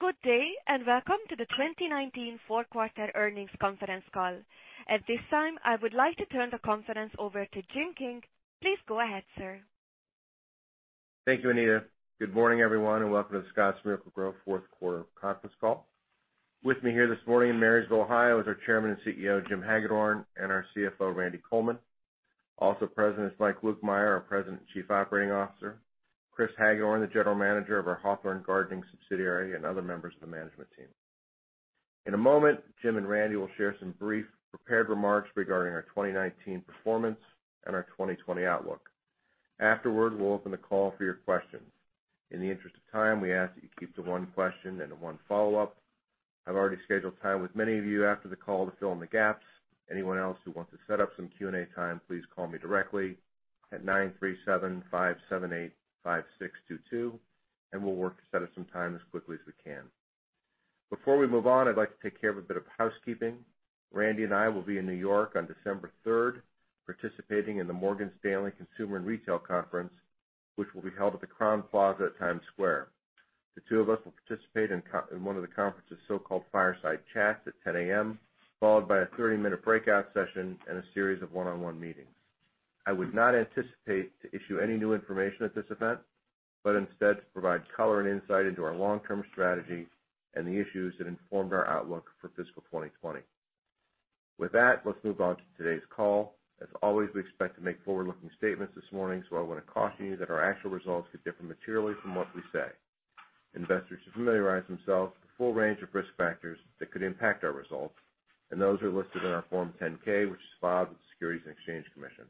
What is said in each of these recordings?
Good day, welcome to the 2019 fourth quarter earnings conference call. At this time, I would like to turn the conference over to Jim King. Please go ahead, sir. Thank you, Anita. Good morning, everyone. Welcome to the Scotts Miracle-Gro fourth quarter conference call. With me here this morning in Marysville, Ohio is our Chairman and Chief Executive Officer, Jim Hagedorn, and our Chief Financial Officer, Randy Coleman. Also present is Mike Lukemire, our President and Chief Operating Officer, Chris Hagedorn, the General Manager of our Hawthorne Gardening subsidiary, and other members of the management team. In a moment, Jim and Randy will share some brief prepared remarks regarding our 2019 performance and our 2020 outlook. Afterward, we'll open the call for your questions. In the interest of time, we ask that you keep to one question and one follow-up. I've already scheduled time with many of you after the call to fill in the gaps. Anyone else who wants to set up some Q&A time, please call me directly at 937-578-5622, and we'll work to set up some time as quickly as we can. Before we move on, I'd like to take care of a bit of housekeeping. Randy and I will be in New York on December 3rd, participating in the Morgan Stanley Global Consumer & Retail Conference, which will be held at the Crowne Plaza at Times Square. The two of us will participate in one of the conference's so-called fireside chats at 10:00 A.M., followed by a 30-minute breakout session and a series of one-on-one meetings. I would not anticipate to issue any new information at this event, but instead to provide color and insight into our long-term strategy and the issues that informed our outlook for fiscal 2020. With that, let's move on to today's call. As always, we expect to make forward-looking statements this morning. I want to caution you that our actual results could differ materially from what we say. Investors should familiarize themselves with the full range of risk factors that could impact our results. Those are listed in our Form 10-K, which is filed with the Securities and Exchange Commission.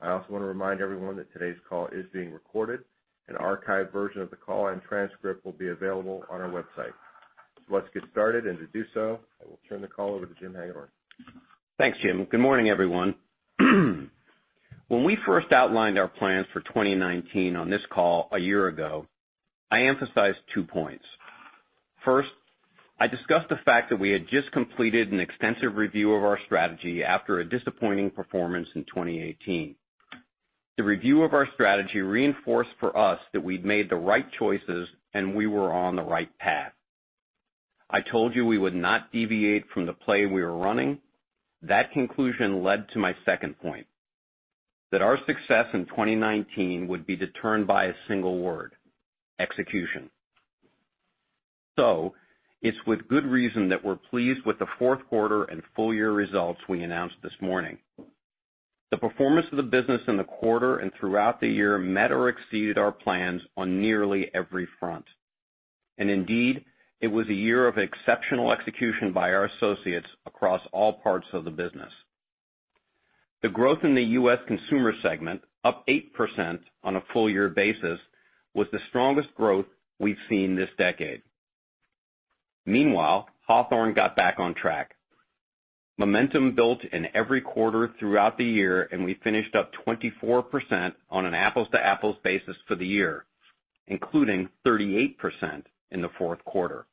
I also want to remind everyone that today's call is being recorded. An archived version of the call and transcript will be available on our website. Let's get started. To do so, I will turn the call over to Jim Hagedorn. Thanks, Jim. Good morning, everyone. When we first outlined our plans for 2019 on this call a year ago, I emphasized two points. First, I discussed the fact that we had just completed an extensive review of our strategy after a disappointing performance in 2018. The review of our strategy reinforced for us that we'd made the right choices and we were on the right path. I told you we would not deviate from the play we were running. That conclusion led to my second point, that our success in 2019 would be determined by a single word: execution. It's with good reason that we're pleased with the fourth quarter and full year results we announced this morning. The performance of the business in the quarter and throughout the year met or exceeded our plans on nearly every front. Indeed, it was a year of exceptional execution by our associates across all parts of the business. The growth in the U.S. consumer segment, up 8% on a full year basis, was the strongest growth we've seen this decade. Meanwhile, Hawthorne got back on track. Momentum built in every quarter throughout the year, and we finished up 24% on an apples-to-apples basis for the year, including 38% in the fourth quarter.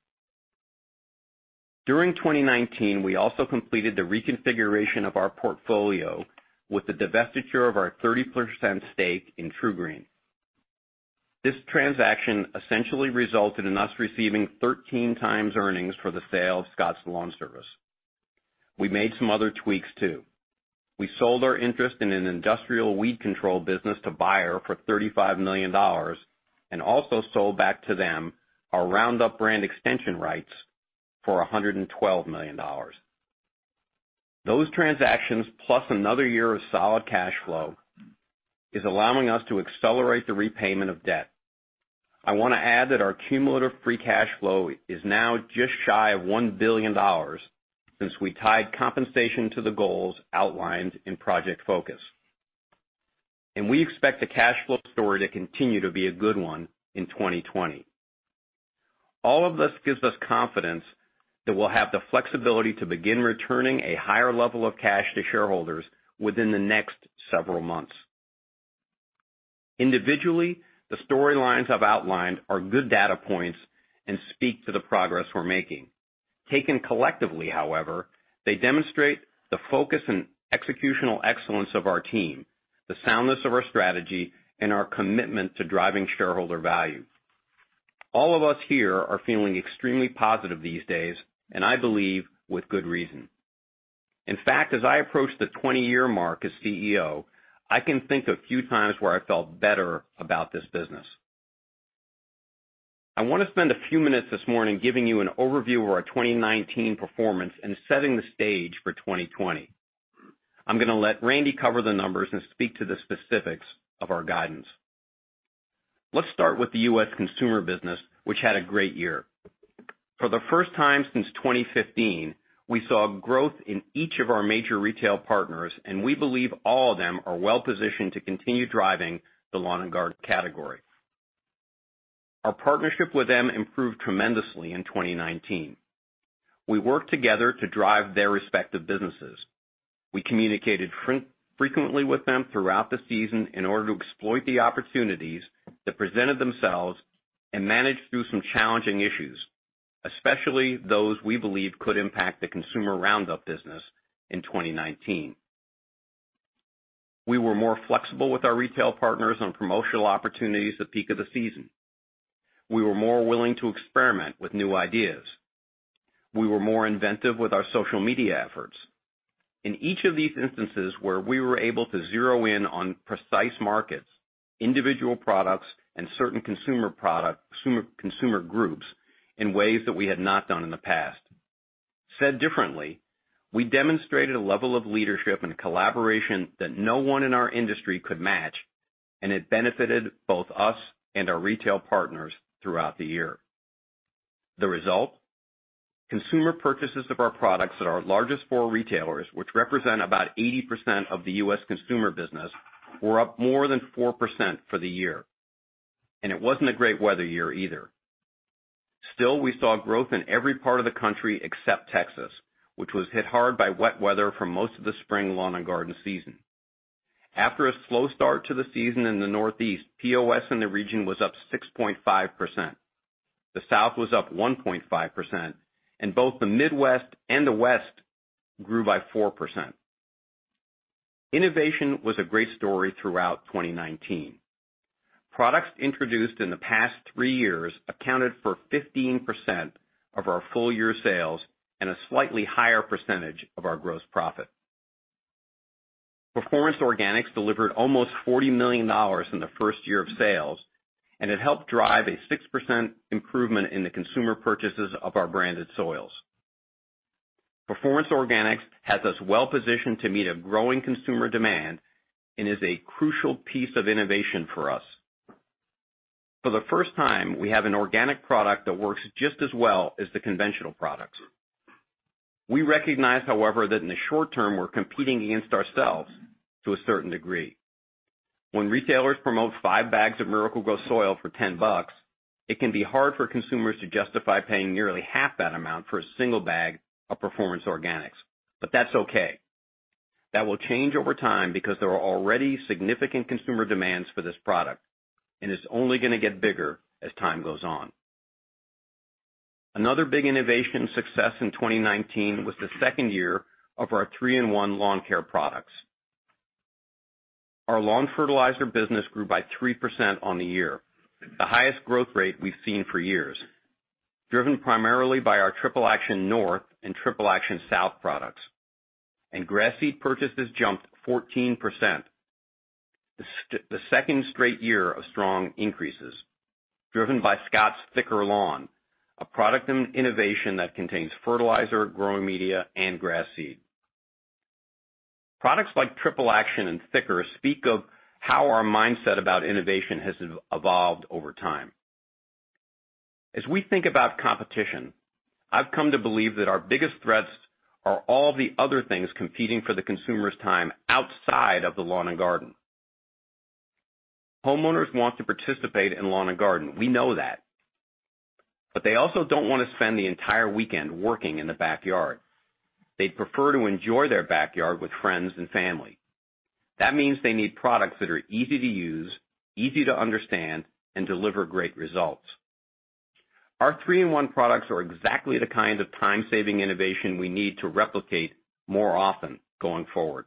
During 2019, we also completed the reconfiguration of our portfolio with the divestiture of our 30% stake in TruGreen. This transaction essentially resulted in us receiving 13x earnings for the sale of Scotts LawnService. We made some other tweaks, too. We sold our interest in an industrial weed control business to Bayer for $35 million and also sold back to them our Roundup brand extension rights for $112 million. Those transactions, plus another year of solid cash flow, is allowing us to accelerate the repayment of debt. I want to add that our cumulative free cash flow is now just shy of $1 billion since we tied compensation to the goals outlined in Project Focus. We expect the cash flow story to continue to be a good one in 2020. All of this gives us confidence that we'll have the flexibility to begin returning a higher level of cash to shareholders within the next several months. Individually, the storylines I've outlined are good data points and speak to the progress we're making. Taken collectively, however, they demonstrate the focus and executional excellence of our team, the soundness of our strategy, and our commitment to driving shareholder value. All of us here are feeling extremely positive these days, and I believe with good reason. In fact, as I approach the 20-year mark as CEO, I can think of few times where I felt better about this business. I want to spend a few minutes this morning giving you an overview of our 2019 performance and setting the stage for 2020. I'm going to let Randy cover the numbers and speak to the specifics of our guidance. Let's start with the U.S. consumer business, which had a great year. For the first time since 2015, we saw growth in each of our major retail partners, and we believe all of them are well-positioned to continue driving the lawn and garden category. Our partnership with them improved tremendously in 2019. We worked together to drive their respective businesses. We communicated frequently with them throughout the season in order to exploit the opportunities that presented themselves and managed through some challenging issues, especially those we believe could impact the consumer Roundup business in 2019. We were more flexible with our retail partners on promotional opportunities at peak of the season. We were more willing to experiment with new ideas. We were more inventive with our social media efforts. In each of these instances where we were able to zero in on precise markets, individual products, and certain consumer groups in ways that we had not done in the past. Said differently, we demonstrated a level of leadership and collaboration that no one in our industry could match, and it benefited both us and our retail partners throughout the year. The result, consumer purchases of our products at our largest four retailers, which represent about 80% of the U.S. consumer business, were up more than 4% for the year. It wasn't a great weather year either. Still, we saw growth in every part of the country except Texas, which was hit hard by wet weather for most of the spring lawn and garden season. After a slow start to the season in the Northeast, POS in the region was up 6.5%. The South was up 1.5%, and both the Midwest and the West grew by 4%. Innovation was a great story throughout 2019. Products introduced in the past three years accounted for 15% of our full year sales and a slightly higher percentage of our gross profit. Performance Organics delivered almost $40 million in the first year of sales, and it helped drive a 6% improvement in the consumer purchases of our branded soils. Performance Organics has us well positioned to meet a growing consumer demand and is a crucial piece of innovation for us. For the first time, we have an organic product that works just as well as the conventional products. We recognize, however, that in the short term, we're competing against ourselves to a certain degree. When retailers promote five bags of Miracle-Gro soil for $10, it can be hard for consumers to justify paying nearly half that amount for a single bag of Performance Organics. That's okay. That will change over time because there are already significant consumer demands for this product, and it's only going to get bigger as time goes on. Another big innovation success in 2019 was the second year of our three-in-one lawn care products. Our lawn fertilizer business grew by 3% on the year, the highest growth rate we've seen for years, driven primarily by our Triple Action North and Triple Action South products. Grass seed purchases jumped 14%, the second straight year of strong increases, driven by Scotts Thick'R Lawn, a product innovation that contains fertilizer, growing media, and grass seed. Products like Triple Action and Thick'R speak of how our mindset about innovation has evolved over time. As we think about competition, I've come to believe that our biggest threats are all the other things competing for the consumer's time outside of the lawn and garden. Homeowners want to participate in lawn and garden. We know that. They also don't want to spend the entire weekend working in the backyard. They prefer to enjoy their backyard with friends and family. That means they need products that are easy to use, easy to understand, and deliver great results. Our three-in-one products are exactly the kind of time-saving innovation we need to replicate more often going forward.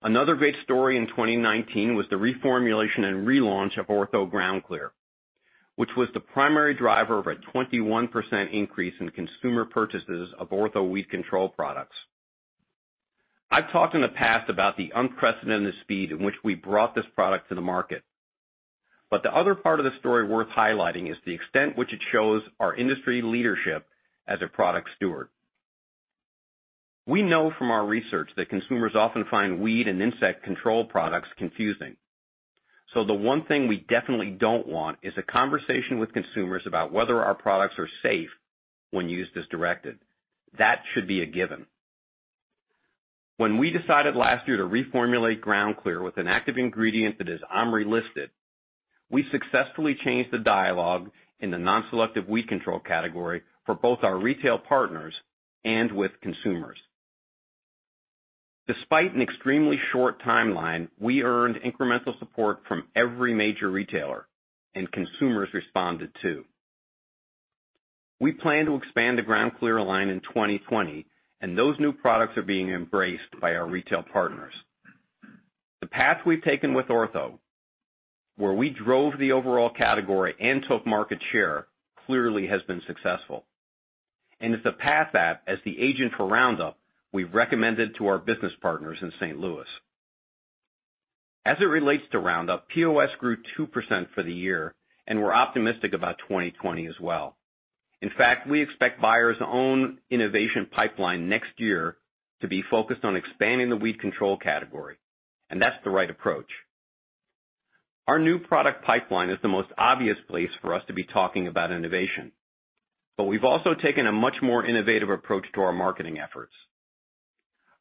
Another great story in 2019 was the reformulation and relaunch of Ortho GroundClear, which was the primary driver of a 21% increase in consumer purchases of Ortho weed control products. I've talked in the past about the unprecedented speed in which we brought this product to the market. The other part of the story worth highlighting is the extent which it shows our industry leadership as a product steward. We know from our research that consumers often find weed and insect control products confusing. The one thing we definitely don't want is a conversation with consumers about whether our products are safe when used as directed. That should be a given. When we decided last year to reformulate GroundClear with an active ingredient that is OMRI listed, we successfully changed the dialogue in the non-selective weed control category for both our retail partners and with consumers. Despite an extremely short timeline, we earned incremental support from every major retailer, and consumers responded, too. We plan to expand the GroundClear line in 2020, and those new products are being embraced by our retail partners. The path we've taken with Ortho, where we drove the overall category and took market share, clearly has been successful. It's the path that as the agent for Roundup, we recommended to our business partners in St. Louis. As it relates to Roundup, POS grew 2% for the year, and we're optimistic about 2020 as well. In fact, we expect Bayer's own innovation pipeline next year to be focused on expanding the weed control category, and that's the right approach. Our new product pipeline is the most obvious place for us to be talking about innovation, but we've also taken a much more innovative approach to our marketing efforts.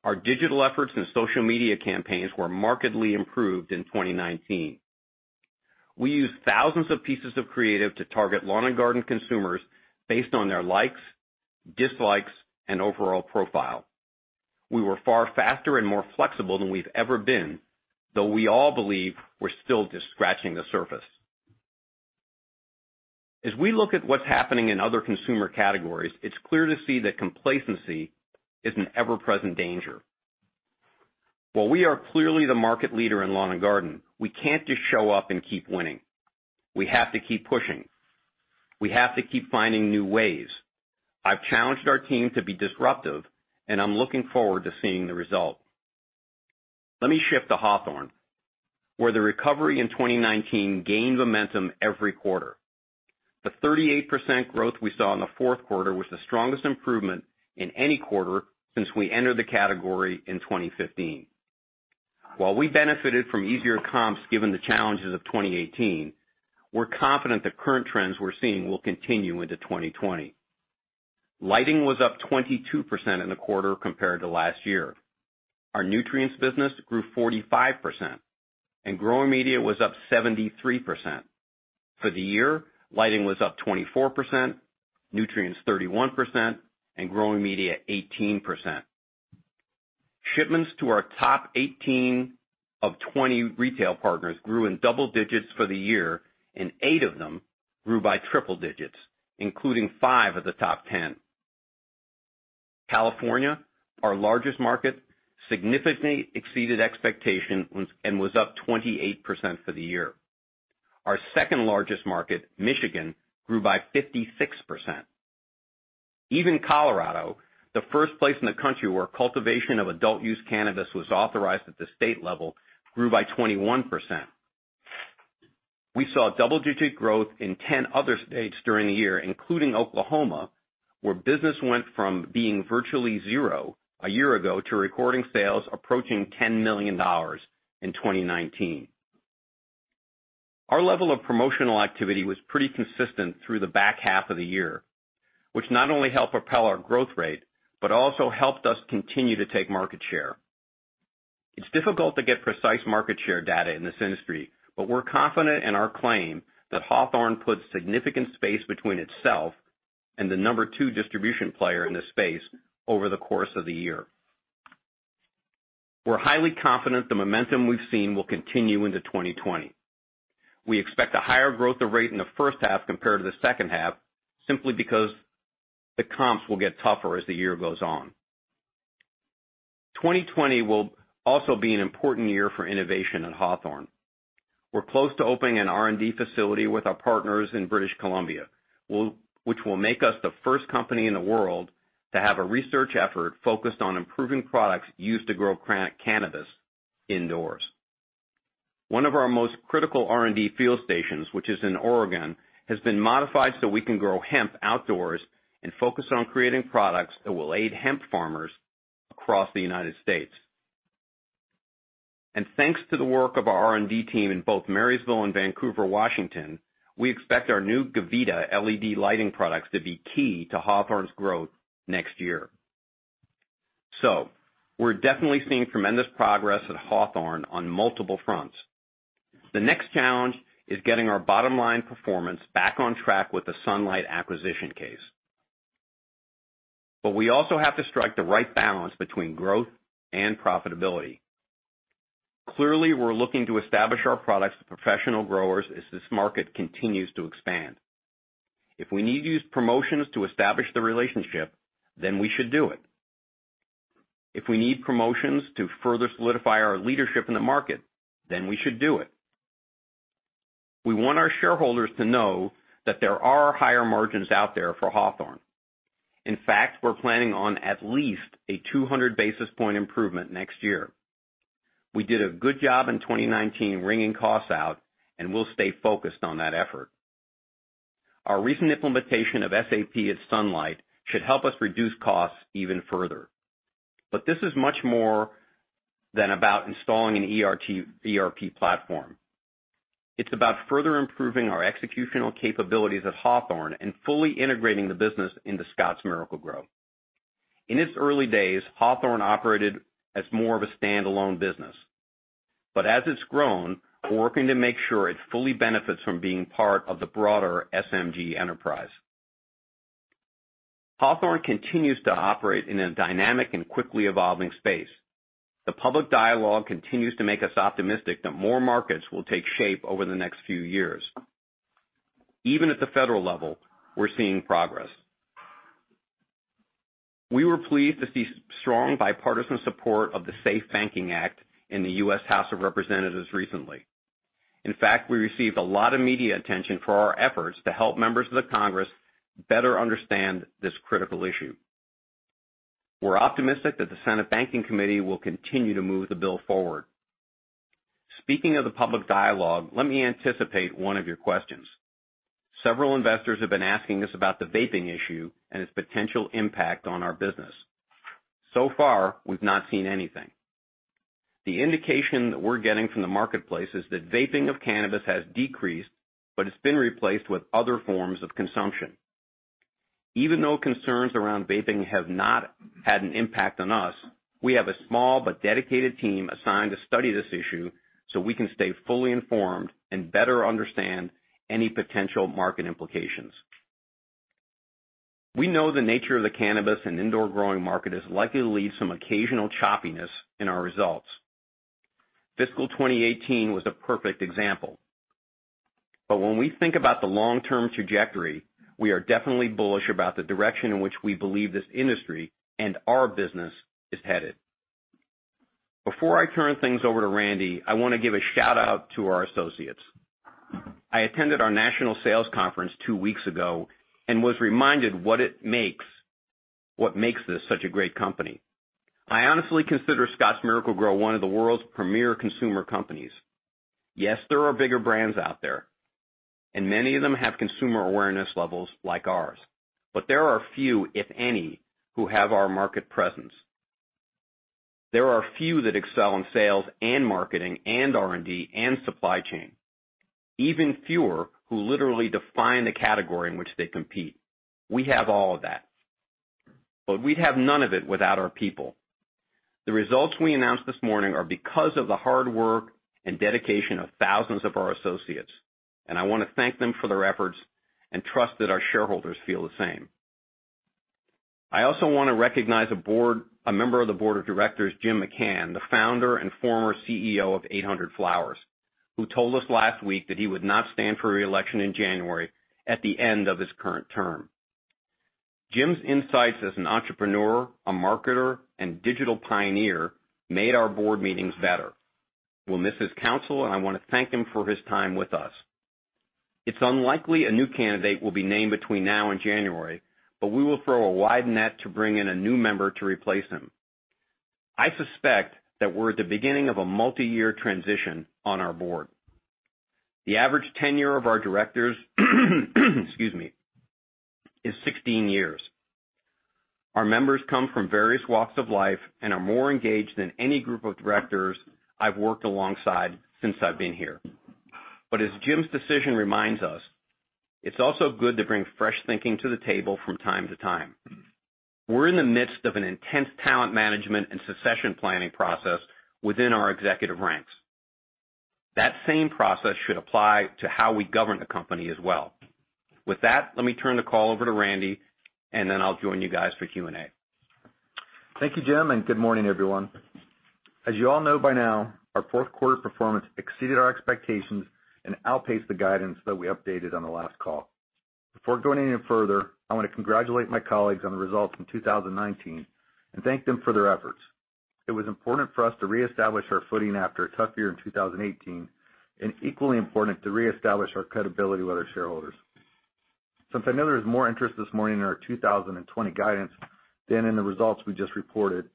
Our digital efforts and social media campaigns were markedly improved in 2019. We used thousands of pieces of creative to target lawn and garden consumers based on their likes, dislikes, and overall profile. We were far faster and more flexible than we've ever been, though we all believe we're still just scratching the surface. As we look at what's happening in other consumer categories, it's clear to see that complacency is an ever-present danger. While we are clearly the market leader in lawn and garden, we can't just show up and keep winning. We have to keep pushing. We have to keep finding new ways. I've challenged our team to be disruptive, and I'm looking forward to seeing the result. Let me shift to Hawthorne, where the recovery in 2019 gained momentum every quarter. The 38% growth we saw in the fourth quarter was the strongest improvement in any quarter since we entered the category in 2015. While we benefited from easier comps given the challenges of 2018, we're confident the current trends we're seeing will continue into 2020. Lighting was up 22% in the quarter compared to last year. Our nutrients business grew 45%, and growing media was up 73%. For the year, lighting was up 24%, nutrients 31%, and growing media 18%. Shipments to our top 18 of 20 retail partners grew in double digits for the year, and eight of them grew by triple digits, including five of the top 10. California, our largest market, significantly exceeded expectations and was up 28% for the year. Our second-largest market, Michigan, grew by 56%. Even Colorado, the first place in the country where cultivation of adult-use cannabis was authorized at the state level, grew by 21%. We saw double-digit growth in 10 other states during the year, including Oklahoma, where business went from being virtually zero a year ago to recording sales approaching $10 million in 2019. Our level of promotional activity was pretty consistent through the back half of the year, which not only helped propel our growth rate, but also helped us continue to take market share. It's difficult to get precise market share data in this industry, we're confident in our claim that Hawthorne put significant space between itself and the number two distribution player in this space over the course of the year. We're highly confident the momentum we've seen will continue into 2020. We expect a higher growth rate in the first half compared to the second half, simply because the comps will get tougher as the year goes on. 2020 will also be an important year for innovation at Hawthorne. We're close to opening an R&D facility with our partners in British Columbia, which will make us the first company in the world to have a research effort focused on improving products used to grow cannabis indoors. One of our most critical R&D field stations, which is in Oregon, has been modified so we can grow hemp outdoors and focus on creating products that will aid hemp farmers across the U.S. Thanks to the work of our R&D team in both Marysville and Vancouver, Washington, we expect our new Gavita LED lighting products to be key to Hawthorne's growth next year. We're definitely seeing tremendous progress at Hawthorne on multiple fronts. The next challenge is getting our bottom line performance back on track with the Sunlight acquisition case. We also have to strike the right balance between growth and profitability. Clearly, we're looking to establish our products with professional growers as this market continues to expand. If we need to use promotions to establish the relationship, then we should do it. If we need promotions to further solidify our leadership in the market, then we should do it. We want our shareholders to know that there are higher margins out there for Hawthorne. In fact, we're planning on at least a 200 basis point improvement next year. We did a good job in 2019 wringing costs out, and we'll stay focused on that effort. Our recent implementation of SAP at Sunlight should help us reduce costs even further. This is much more than about installing an ERP platform. It's about further improving our executional capabilities at Hawthorne and fully integrating the business into Scotts Miracle-Gro. In its early days, Hawthorne operated as more of a standalone business. As it's grown, we're working to make sure it fully benefits from being part of the broader SMG enterprise. Hawthorne continues to operate in a dynamic and quickly evolving space. The public dialogue continues to make us optimistic that more markets will take shape over the next few years. Even at the federal level, we're seeing progress. We were pleased to see strong bipartisan support of the SAFE Banking Act in the U.S. House of Representatives recently. In fact, we received a lot of media attention for our efforts to help members of the Congress better understand this critical issue. We're optimistic that the Senate Banking Committee will continue to move the bill forward. Speaking of the public dialogue, let me anticipate one of your questions. Several investors have been asking us about the vaping issue and its potential impact on our business. So far, we've not seen anything. The indication that we're getting from the marketplace is that vaping of cannabis has decreased, but it's been replaced with other forms of consumption. Even though concerns around vaping have not had an impact on us, we have a small but dedicated team assigned to study this issue so we can stay fully informed and better understand any potential market implications. We know the nature of the cannabis and indoor growing market is likely to leave some occasional choppiness in our results. Fiscal 2018 was a perfect example. When we think about the long-term trajectory, we are definitely bullish about the direction in which we believe this industry and our business is headed. Before I turn things over to Randy, I want to give a shout-out to our associates. I attended our national sales conference two weeks ago and was reminded what makes this such a great company. I honestly consider Scotts Miracle-Gro one of the world's premier consumer companies. Yes, there are bigger brands out there, and many of them have consumer awareness levels like ours, but there are few, if any, who have our market presence. There are few that excel in sales and marketing and R&D and supply chain. Even fewer who literally define the category in which they compete. We have all of that. We'd have none of it without our people. The results we announced this morning are because of the hard work and dedication of thousands of our associates, and I want to thank them for their efforts and trust that our shareholders feel the same. I also want to recognize a member of the board of directors, Jim McCann, the founder and former CEO of 1-800-Flowers, who told us last week that he would not stand for reelection in January at the end of his current term. Jim's insights as an entrepreneur, a marketer, and digital pioneer made our board meetings better. We'll miss his counsel, and I want to thank him for his time with us. It's unlikely a new candidate will be named between now and January, but we will throw a wide net to bring in a new member to replace him. I suspect that we're at the beginning of a multi-year transition on our board. The average tenure of our directors, excuse me, is 16 years. Our members come from various walks of life and are more engaged than any group of directors I've worked alongside since I've been here. But as Jim's decision reminds us, it's also good to bring fresh thinking to the table from time to time. We're in the midst of an intense talent management and succession planning process within our executive ranks. That same process should apply to how we govern the company as well. With that, let me turn the call over to Randy, and then I'll join you guys for Q&A. Thank you, Jim. Good morning, everyone. As you all know by now, our fourth quarter performance exceeded our expectations and outpaced the guidance that we updated on the last call. Before going any further, I want to congratulate my colleagues on the results in 2019 and thank them for their efforts. It was important for us to reestablish our footing after a tough year in 2018, and equally important to reestablish our credibility with our shareholders. Since I know there is more interest this morning in our 2020 guidance than in the results we just reported,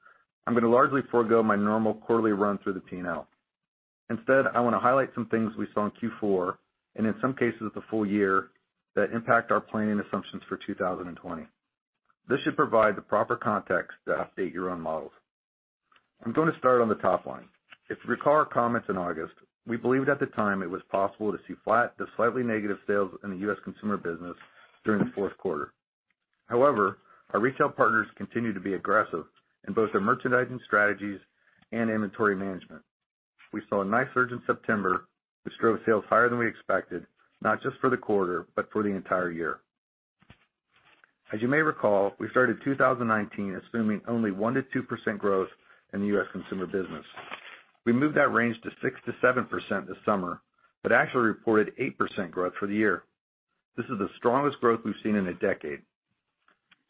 I'm going to largely forego my normal quarterly run through the P&L. Instead, I want to highlight some things we saw in Q4, and in some cases the full year, that impact our planning assumptions for 2020. This should provide the proper context to update your own models. I'm going to start on the top line. If you recall our comments in August, we believed at the time it was possible to see flat to slightly negative sales in the U.S. consumer business during the fourth quarter. However, our retail partners continued to be aggressive in both their merchandising strategies and inventory management. We saw a nice surge in September, which drove sales higher than we expected, not just for the quarter, but for the entire year. As you may recall, we started 2019 assuming only 1%-2% growth in the U.S. consumer business. We moved that range to 6%-7% this summer, but actually reported 8% growth for the year. This is the strongest growth we've seen in a decade.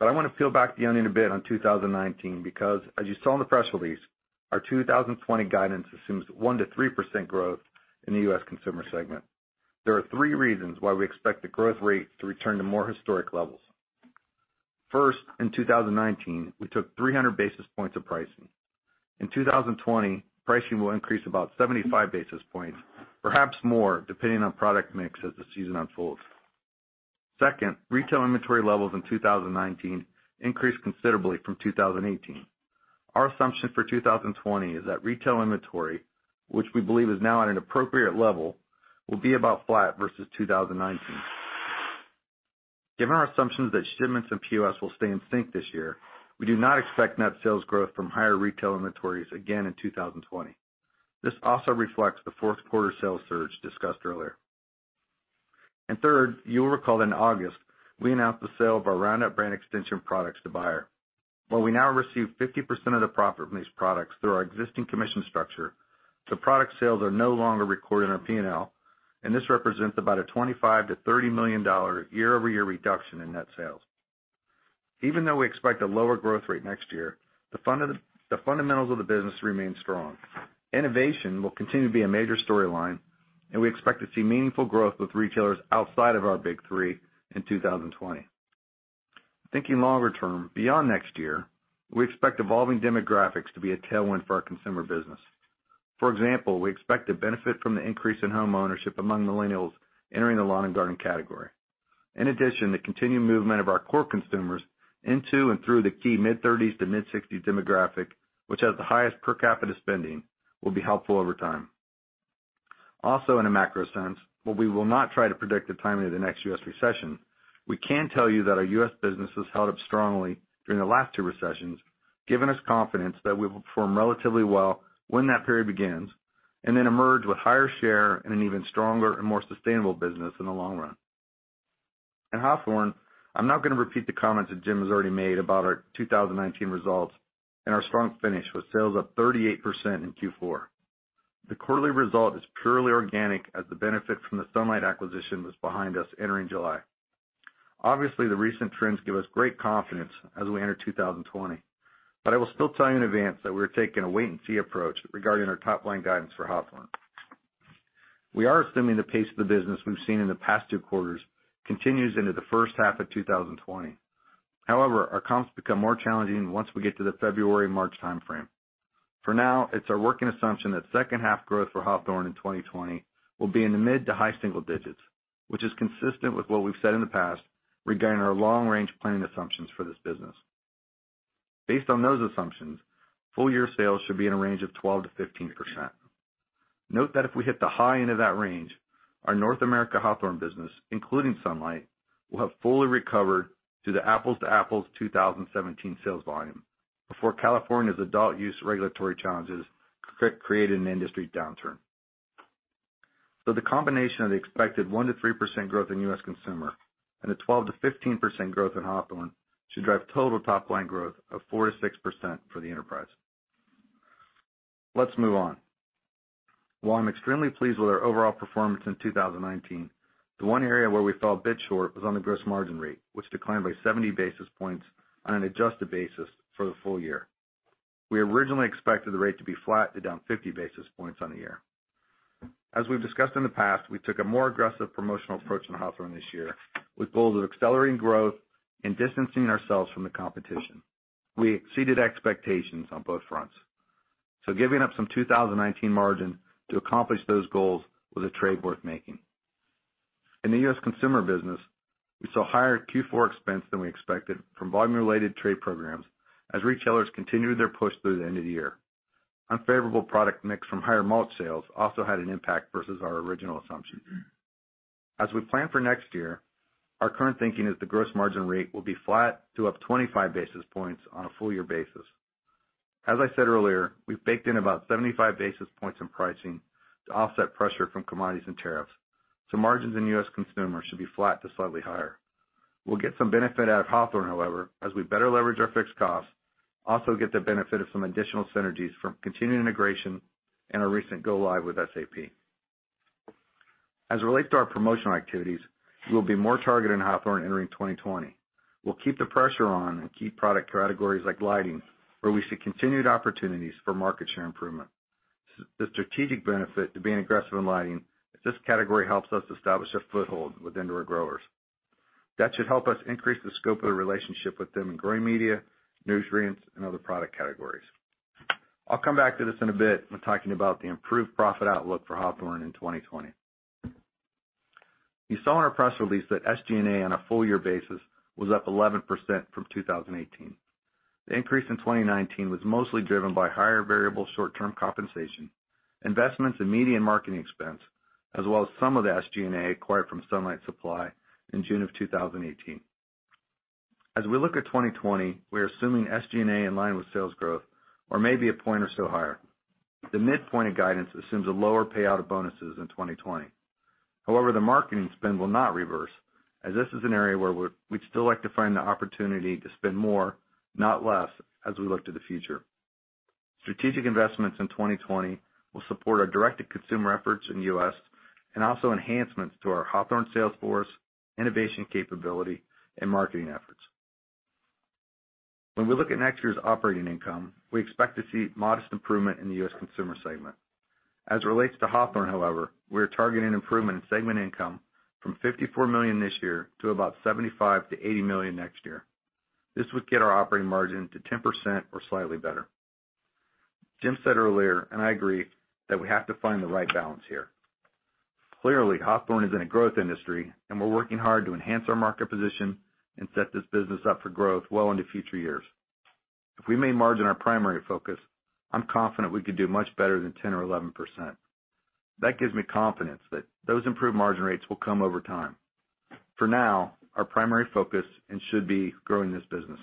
I want to peel back the onion a bit on 2019 because, as you saw in the press release, our 2020 guidance assumes 1%-3% growth in the U.S. Consumer segment. There are three reasons why we expect the growth rate to return to more historic levels. First, in 2019, we took 300 basis points of pricing. In 2020, pricing will increase about 75 basis points, perhaps more, depending on product mix as the season unfolds. Second, retail inventory levels in 2019 increased considerably from 2018. Our assumption for 2020 is that retail inventory, which we believe is now at an appropriate level, will be about flat versus 2019. Given our assumptions that shipments and POS will stay in sync this year, we do not expect net sales growth from higher retail inventories again in 2020. This also reflects the fourth quarter sales surge discussed earlier. Third, you will recall that in August, we announced the sale of our Roundup brand extension products to Bayer. While we now receive 50% of the profit from these products through our existing commission structure, the product sales are no longer recorded in our P&L, and this represents about a $25 million-$30 million year-over-year reduction in net sales. Even though we expect a lower growth rate next year, the fundamentals of the business remain strong. Innovation will continue to be a major storyline, and we expect to see meaningful growth with retailers outside of our big three in 2020. Thinking longer term, beyond next year, we expect evolving demographics to be a tailwind for our consumer business. For example, we expect to benefit from the increase in home ownership among millennials entering the lawn and garden category. In addition, the continued movement of our core consumers into and through the key mid-30s to mid-60s demographic, which has the highest per capita spending, will be helpful over time. While we will not try to predict the timing of the next U.S. recession, we can tell you that our U.S. business has held up strongly during the last two recessions, giving us confidence that we will perform relatively well when that period begins. Emerge with higher share and an even stronger and more sustainable business in the long run. In Hawthorne, I'm not going to repeat the comments that Jim has already made about our 2019 results and our strong finish with sales up 38% in Q4. The quarterly result is purely organic as the benefit from the Sunlight acquisition was behind us entering July. Obviously, the recent trends give us great confidence as we enter 2020. I will still tell you in advance that we're taking a wait-and-see approach regarding our top-line guidance for Hawthorne. We are assuming the pace of the business we've seen in the past two quarters continues into the first half of 2020. However, our comps become more challenging once we get to the February-March timeframe. For now, it's our working assumption that second half growth for Hawthorne in 2020 will be in the mid to high single digits, which is consistent with what we've said in the past regarding our long-range planning assumptions for this business. Based on those assumptions, full-year sales should be in a range of 12%-15%. Note that if we hit the high end of that range, our North America Hawthorne business, including Sunlight, will have fully recovered to the apples-to-apples 2017 sales volume before California's adult use regulatory challenges created an industry downturn. The combination of the expected 1%-3% growth in U.S. consumer and a 12%-15% growth in Hawthorne should drive total top-line growth of 4%-6% for the enterprise. Let's move on. While I'm extremely pleased with our overall performance in 2019, the one area where we fell a bit short was on the gross margin rate, which declined by 70 basis points on an adjusted basis for the full year. We originally expected the rate to be flat to down 50 basis points on the year. As we've discussed in the past, we took a more aggressive promotional approach in Hawthorne this year with goals of accelerating growth and distancing ourselves from the competition. We exceeded expectations on both fronts. Giving up some 2019 margin to accomplish those goals was a trade worth making. In the U.S. consumer business, we saw higher Q4 expense than we expected from volume-related trade programs as retailers continued their push through the end of the year. Unfavorable product mix from higher mulch sales also had an impact versus our original assumption. As we plan for next year, our current thinking is the gross margin rate will be flat to up 25 basis points on a full year basis. As I said earlier, we've baked in about 75 basis points in pricing to offset pressure from commodities and tariffs, margins in U.S. consumers should be flat to slightly higher. We'll get some benefit out of Hawthorne, however, as we better leverage our fixed costs, also get the benefit of some additional synergies from continued integration and our recent go live with SAP. As it relates to our promotional activities, we'll be more targeted in Hawthorne entering 2020. We'll keep the pressure on in key product categories like lighting, where we see continued opportunities for market share improvement. The strategic benefit to being aggressive in lighting is this category helps us establish a foothold with indoor growers. That should help us increase the scope of the relationship with them in growing media, nutrients, and other product categories. I'll come back to this in a bit when talking about the improved profit outlook for Hawthorne in 2020. You saw in our press release that SG&A on a full year basis was up 11% from 2018. The increase in 2019 was mostly driven by higher variable short-term compensation, investments in media and marketing expense, as well as some of the SG&A acquired from Sunlight Supply in June of 2018. As we look at 2020, we are assuming SG&A in line with sales growth or maybe one point or so higher. The midpoint of guidance assumes a lower payout of bonuses in 2020. However, the marketing spend will not reverse as this is an area where we'd still like to find the opportunity to spend more, not less, as we look to the future. Strategic investments in 2020 will support our direct-to-consumer efforts in U.S., and also enhancements to our Hawthorne sales force, innovation capability, and marketing efforts. When we look at next year's operating income, we expect to see modest improvement in the U.S. consumer segment. As it relates to Hawthorne, however, we are targeting improvement in segment income from $54 million this year to about $75 million-$80 million next year. This would get our operating margin to 10% or slightly better. Jim said earlier, and I agree, that we have to find the right balance here. Clearly, Hawthorne is in a growth industry, and we're working hard to enhance our market position and set this business up for growth well into future years. If we made margin our primary focus, I'm confident we could do much better than 10% or 11%. That gives me confidence that those improved margin rates will come over time. For now, our primary focus and should be growing this business.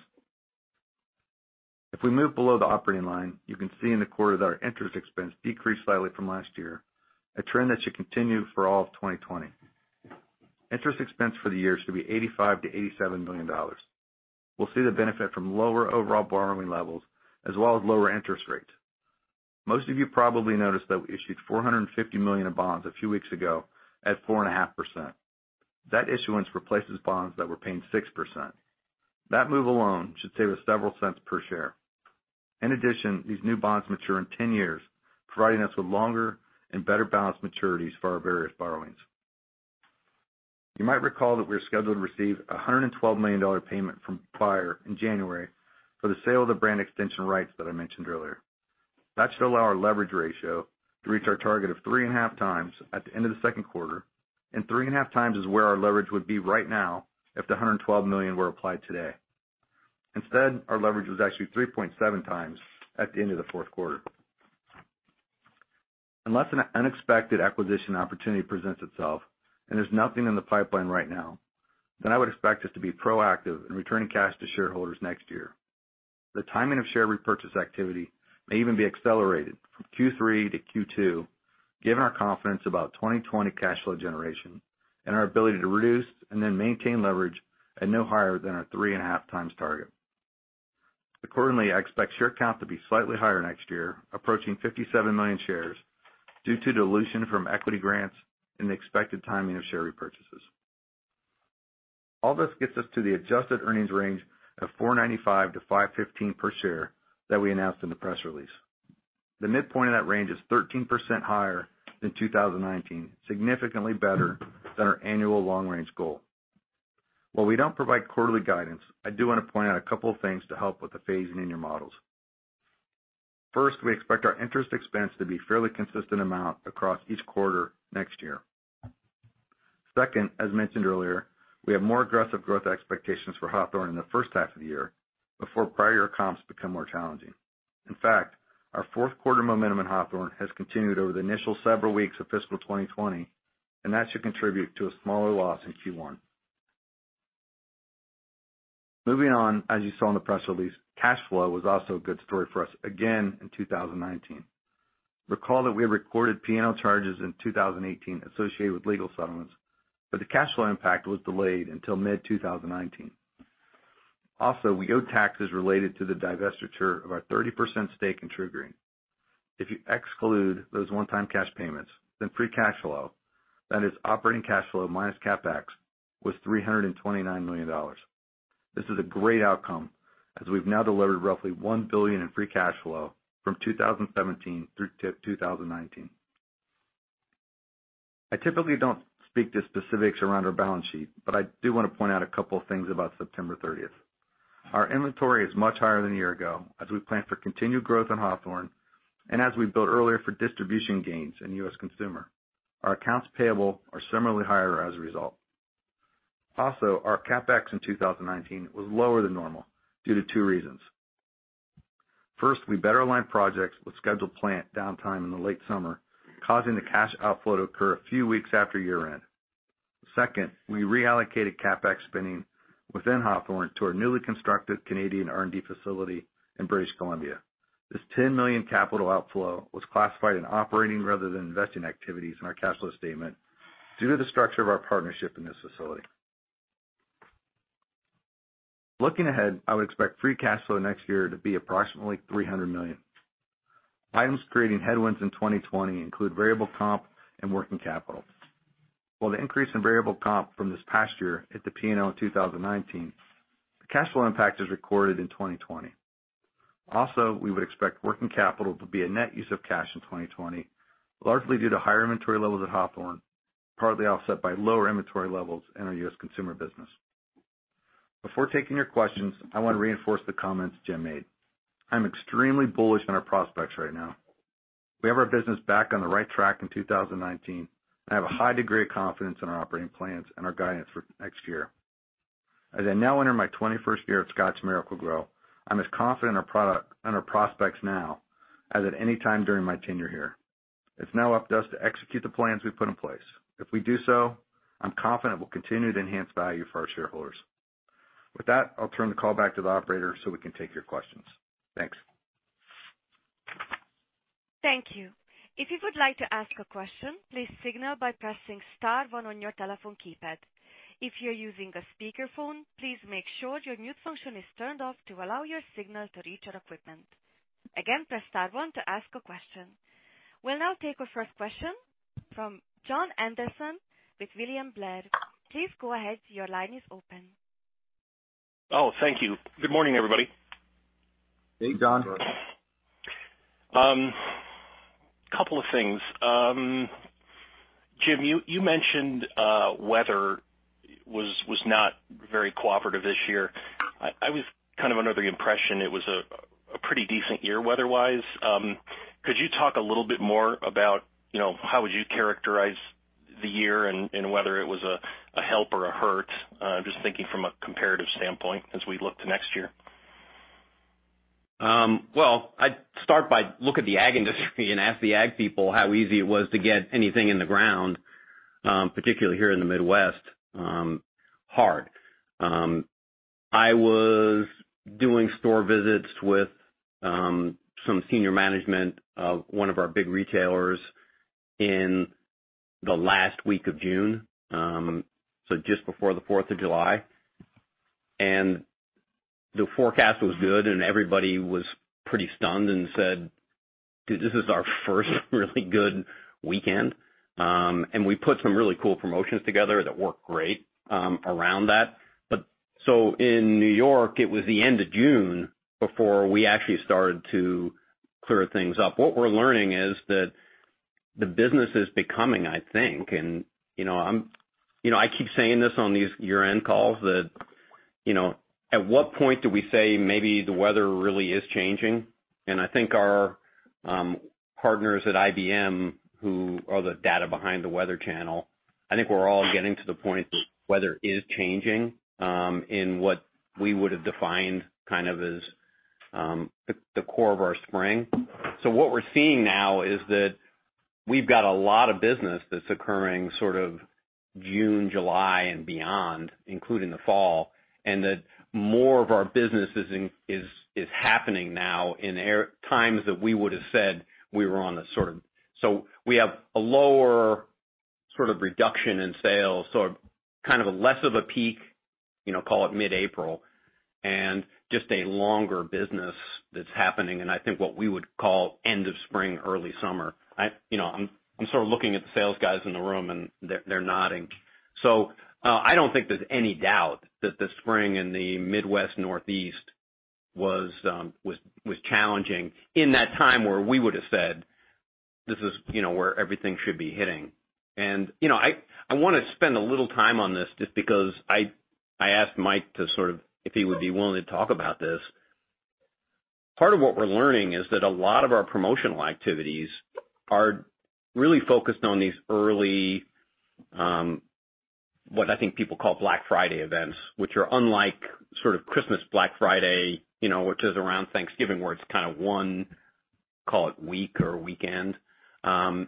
If we move below the operating line, you can see in the quarter that our interest expense decreased slightly from last year, a trend that should continue for all of 2020. Interest expense for the year should be $85 million-$87 million. We'll see the benefit from lower overall borrowing levels as well as lower interest rates. Most of you probably noticed that we issued $450 million of bonds a few weeks ago at 4.5%. That issuance replaces bonds that were paying 6%. That move alone should save us several cents per share. In addition, these new bonds mature in 10 years, providing us with longer and better balanced maturities for our various borrowings. You might recall that we were scheduled to receive $112 million payment from Roundup in January for the sale of the brand extension rights that I mentioned earlier. That should allow our leverage ratio to reach our target of 3.5x at the end of the second quarter, and 3.5x is where our leverage would be right now if the $112 million were applied today. Instead, our leverage was actually 3.7x at the end of the fourth quarter. Unless an unexpected acquisition opportunity presents itself, and there's nothing in the pipeline right now, then I would expect us to be proactive in returning cash to shareholders next year. The timing of share repurchase activity may even be accelerated from Q3 to Q2, given our confidence about 2020 cash flow generation and our ability to reduce and then maintain leverage at no higher than 3.5x target. Accordingly, I expect share count to be slightly higher next year, approaching 57 million shares, due to dilution from equity grants and the expected timing of share repurchases. All this gets us to the adjusted earnings range of $4.95-$5.15 per share that we announced in the press release. The midpoint of that range is 13% higher than 2019, significantly better than our annual long range goal. While we don't provide quarterly guidance, I do want to point out a couple of things to help with the phasing in your models. First, we expect our interest expense to be fairly consistent amount across each quarter next year. Second, as mentioned earlier, we have more aggressive growth expectations for Hawthorne in the first half of the year, before prior year comps become more challenging. Infact our fourth quarter momentum in Hawthorne has continued over the initial several weeks of fiscal 2020. That should contribute to a smaller loss in Q1. Moving on, as you saw in the press release, cash flow was also a good story for us again in 2019. Recall that we had recorded P&L charges in 2018 associated with legal settlements. The cash flow impact was delayed until mid-2019. Also, we owed taxes related to the divestiture of our 30% stake in TruGreen. If you exclude those one-time cash payments, free cash flow, that is operating cash flow minus CapEx, was $329 million. This is a great outcome as we've now delivered roughly $1 billion in free cash flow from 2017 through to 2019. I typically don't speak to specifics around our balance sheet. I do want to point out a couple of things about September 30th. Our inventory is much higher than a year ago as we plan for continued growth in Hawthorne and as we build earlier for distribution gains in U.S. consumer. Our accounts payable are similarly higher as a result. Our CapEx in 2019 was lower than normal due to two reasons. First, we better aligned projects with scheduled plant downtime in the late summer, causing the cash outflow to occur a few weeks after year-end. Second, we reallocated CapEx spending within Hawthorne to our newly constructed Canadian R&D facility in British Columbia. This $10 million capital outflow was classified in operating rather than investing activities in our cash flow statement due to the structure of our partnership in this facility. Looking ahead, I would expect free cash flow next year to be approximately $300 million. Items creating headwinds in 2020 include variable comp and working capital. While the increase in variable comp from this past year hit the P&L in 2019, the cash flow impact is recorded in 2020. We would expect working capital to be a net use of cash in 2020, largely due to higher inventory levels at Hawthorne, partly offset by lower inventory levels in our U.S. consumer business. Before taking your questions, I want to reinforce the comments Jim made. I'm extremely bullish on our prospects right now. We have our business back on the right track in 2019. I have a high degree of confidence in our operating plans and our guidance for next year. As I now enter my 21st year at Scotts Miracle-Gro, I'm as confident in our prospects now as at any time during my tenure here. It's now up to us to execute the plans we've put in place. If we do so, I'm confident we'll continue to enhance value for our shareholders. With that, I'll turn the call back to the operator so we can take your questions. Thanks. Thank you. If you would like to ask a question, please signal by pressing star one on your telephone keypad. If you're using a speakerphone, please make sure your mute function is turned off to allow your signal to reach our equipment. Again, press star one to ask a question. We'll now take our first question from Jon Andersen with William Blair. Please go ahead, your line is open. Oh, thank you. Good morning, everybody. Hey, Jon. Sure. Couple of things. Jim, you mentioned weather was not very cooperative this year. I was kind of under the impression it was a pretty decent year weather-wise. Could you talk a little bit more about how would you characterize the year and whether it was a help or a hurt? Just thinking from a comparative standpoint as we look to next year. Well, I'd start by look at the ag industry and ask the ag people how easy it was to get anything in the ground, particularly here in the Midwest. Hard. I was doing store visits with some senior management of one of our big retailers in the last week of June, so just before the Fourth of July, and the forecast was good, and everybody was pretty stunned and said, "This is our first really good weekend." We put some really cool promotions together that worked great around that. In New York, it was the end of June before we actually started to clear things up. What we're learning is that the business is becoming, I think, and I keep saying this on these year-end calls that, at what point do we say maybe the weather really is changing? I think our partners at IBM, who are the data behind The Weather Channel, I think we're all getting to the point that weather is changing in what we would have defined kind of as the core of our spring. What we're seeing now is that. We've got a lot of business that's occurring sort of June, July, and beyond, including the fall, and that more of our business is happening now in times that we would've said we were on a sort of We have a lower sort of reduction in sales, so kind of less of a peak, call it mid-April, and just a longer business that's happening in, I think what we would call end of spring, early summer. I'm sort of looking at the sales guys in the room and they're nodding. I don't think there's any doubt that the spring in the Midwest Northeast was challenging in that time where we would've said, "This is where everything should be hitting." I want to spend a little time on this just because I asked Mike if he would be willing to talk about this. Part of what we're learning is that a lot of our promotional activities are really focused on these early, what I think people call Black Friday events, which are unlike Christmas Black Friday, which is around Thanksgiving, where it's kind of one, call it week or weekend. Black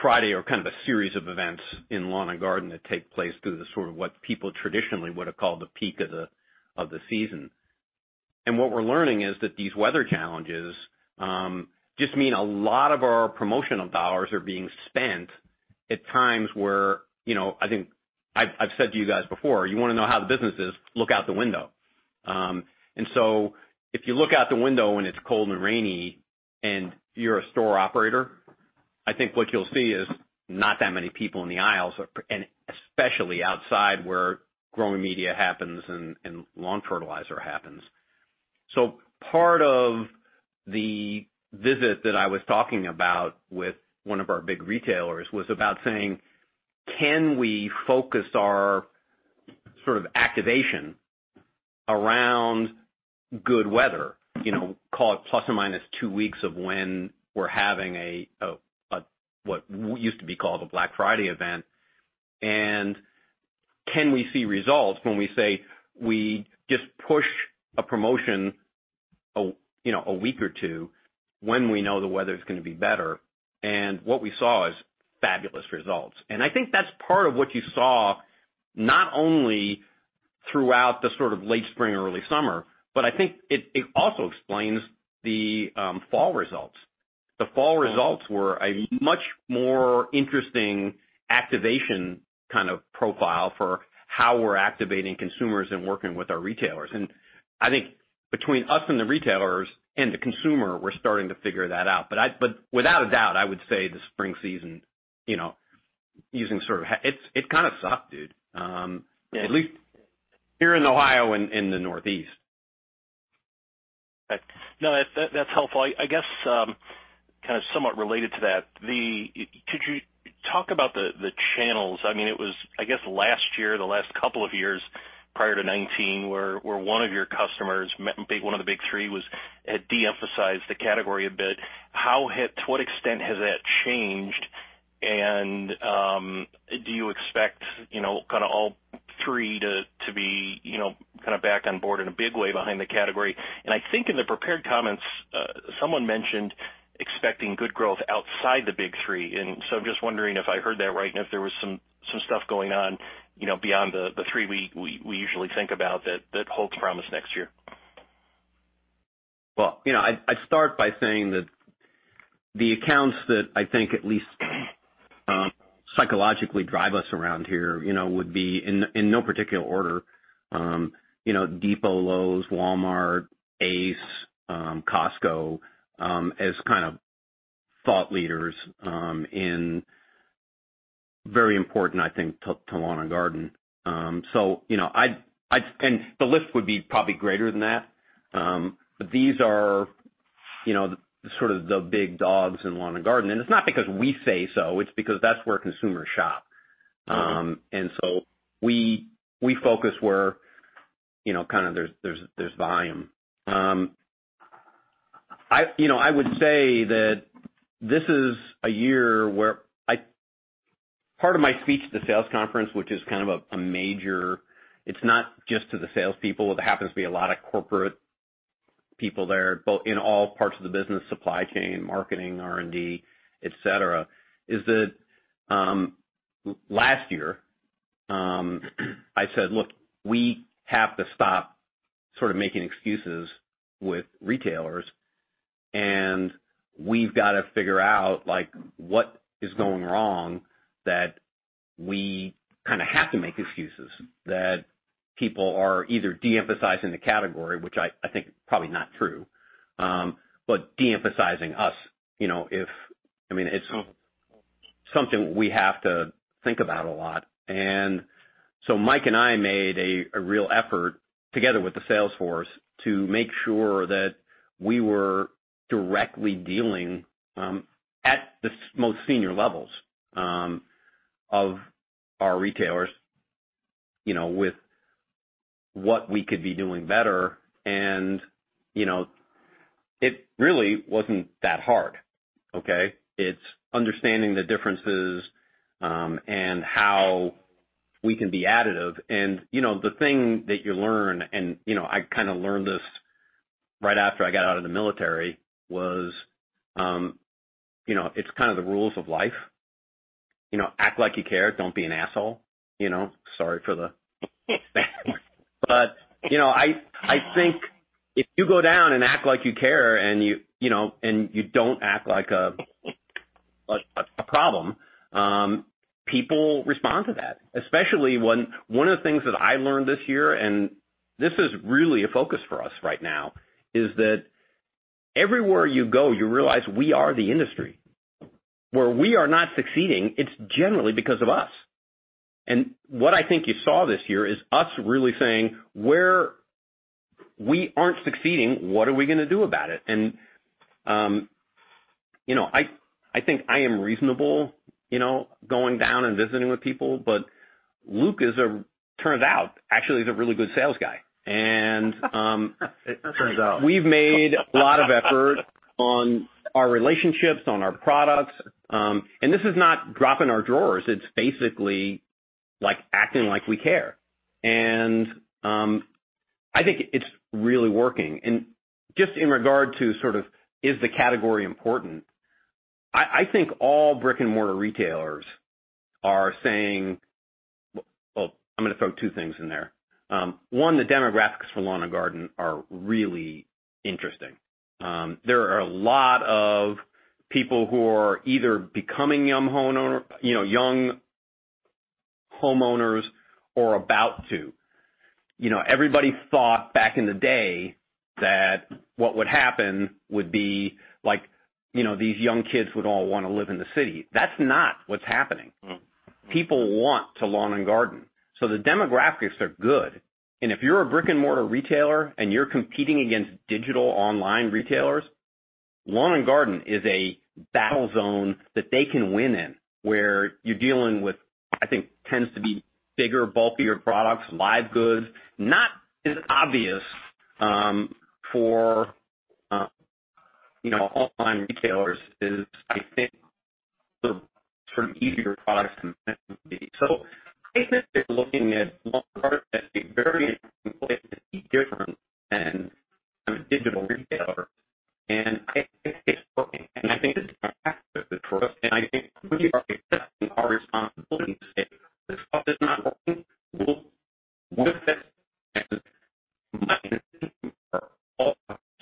Friday are kind of a series of events in lawn and garden that take place through the sort of what people traditionally would've called the peak of the season. What we're learning is that these weather challenges just mean a lot of our promotional dollars are being spent at times where, I think I've said to you guys before, you want to know how the business is, look out the window. If you look out the window and it's cold and rainy and you're a store operator, I think what you'll see is not that many people in the aisles, and especially outside where growing media happens and lawn fertilizer happens. Part of the visit that I was talking about with one of our big retailers was about saying, can we focus our sort of activation around good weather, call it plus or minus two weeks of when we're having a, what used to be called a Black Friday event. Can we see results when we say we just push a promotion a week or two when we know the weather's going to be better? What we saw is fabulous results. I think that's part of what you saw not only throughout the sort of late spring or early summer, but I think it also explains the fall results. The fall results were a much more interesting activation kind of profile for how we're activating consumers and working with our retailers. I think between us and the retailers and the consumer, we're starting to figure that out. Without a doubt, I would say the spring season, it kind of sucked, dude. At least here in Ohio and in the Northeast. No, that's helpful. I guess, kind of somewhat related to that, could you talk about the channels? I mean, it was, I guess, last year, the last couple of years prior to 2019, where one of your customers, one of the big three, had de-emphasized the category a bit. To what extent has that changed? Do you expect all three to be back on board in a big way behind the category? I think in the prepared comments, someone mentioned expecting good growth outside the big three. I'm just wondering if I heard that right, and if there was some stuff going on beyond the three we usually think about that holds promise next year. Well, I'd start by saying that the accounts that I think at least psychologically drive us around here would be, in no particular order, Depot, Lowe's, Walmart, Ace, Costco as kind of thought leaders and very important, I think, to lawn and garden. The list would be probably greater than that. These are sort of the big dogs in lawn and garden. It's not because we say so, it's because that's where consumers shop. We focus where there's volume. I would say that this is a year. It's not just to the salespeople. There happens to be a lot of corporate people there, in all parts of the business, supply chain, marketing, R&D, et cetera, is that last year, I said, "Look, we have to stop sort of making excuses with retailers, and we've got to figure out what is going wrong that we kind of have to make excuses, that people are either de-emphasizing the category," which I think is probably not true, but de-emphasizing us. It's something we have to think about a lot. Mike and I made a real effort together with the sales force to make sure that we were directly dealing at the most senior levels of our retailers with what we could be doing better. It really wasn't that hard. Okay. It's understanding the differences and how we can be additive. The thing that you learn, and I kind of learned this right after I got out of the military, was it's kind of the rules of life. Act like you care, don't be an asshole. Sorry for the bad language. I think if you go down and act like you care and you don't act like a problem, people respond to that. Especially when one of the things that I learned this year, and this is really a focus for us right now, is that everywhere you go, you realize we are the industry. Where we are not succeeding, it's generally because of us. What I think you saw this year is us really saying, where we aren't succeeding, what are we going to do about it? I think I am reasonable going down and visiting with people, but Luke, turns out, actually, is a really good sales guy. It turns out. We've made a lot of effort on our relationships, on our products. This is not dropping our drawers. It's basically acting like we care. I think it's really working. Just in regard to sort of is the category important, I think all brick-and-mortar retailers are saying Well, I'm going to throw two things in there. One, the demographics for lawn and garden are really interesting. There are a lot of people who are either becoming young homeowners or about to. Everybody thought back in the day that what would happen would be these young kids would all want to live in the city. That's not what's happening. No. People want to lawn and garden. The demographics are good, and if you're a brick-and-mortar retailer and you're competing against digital online retailers, lawn and garden is a battle zone that they can win in, where you're dealing with, I think, tends to be bigger, bulkier products, live goods. Not as obvious for online retailers as I think the sort of easier products to move. I think they're looking at lawn and garden as a very interesting way to be different than a digital retailer. I think it's working. I think this is an opportunity for us, and I think we are accepting our responsibility to say, "This stuff is not working. We'll fix it." My team are all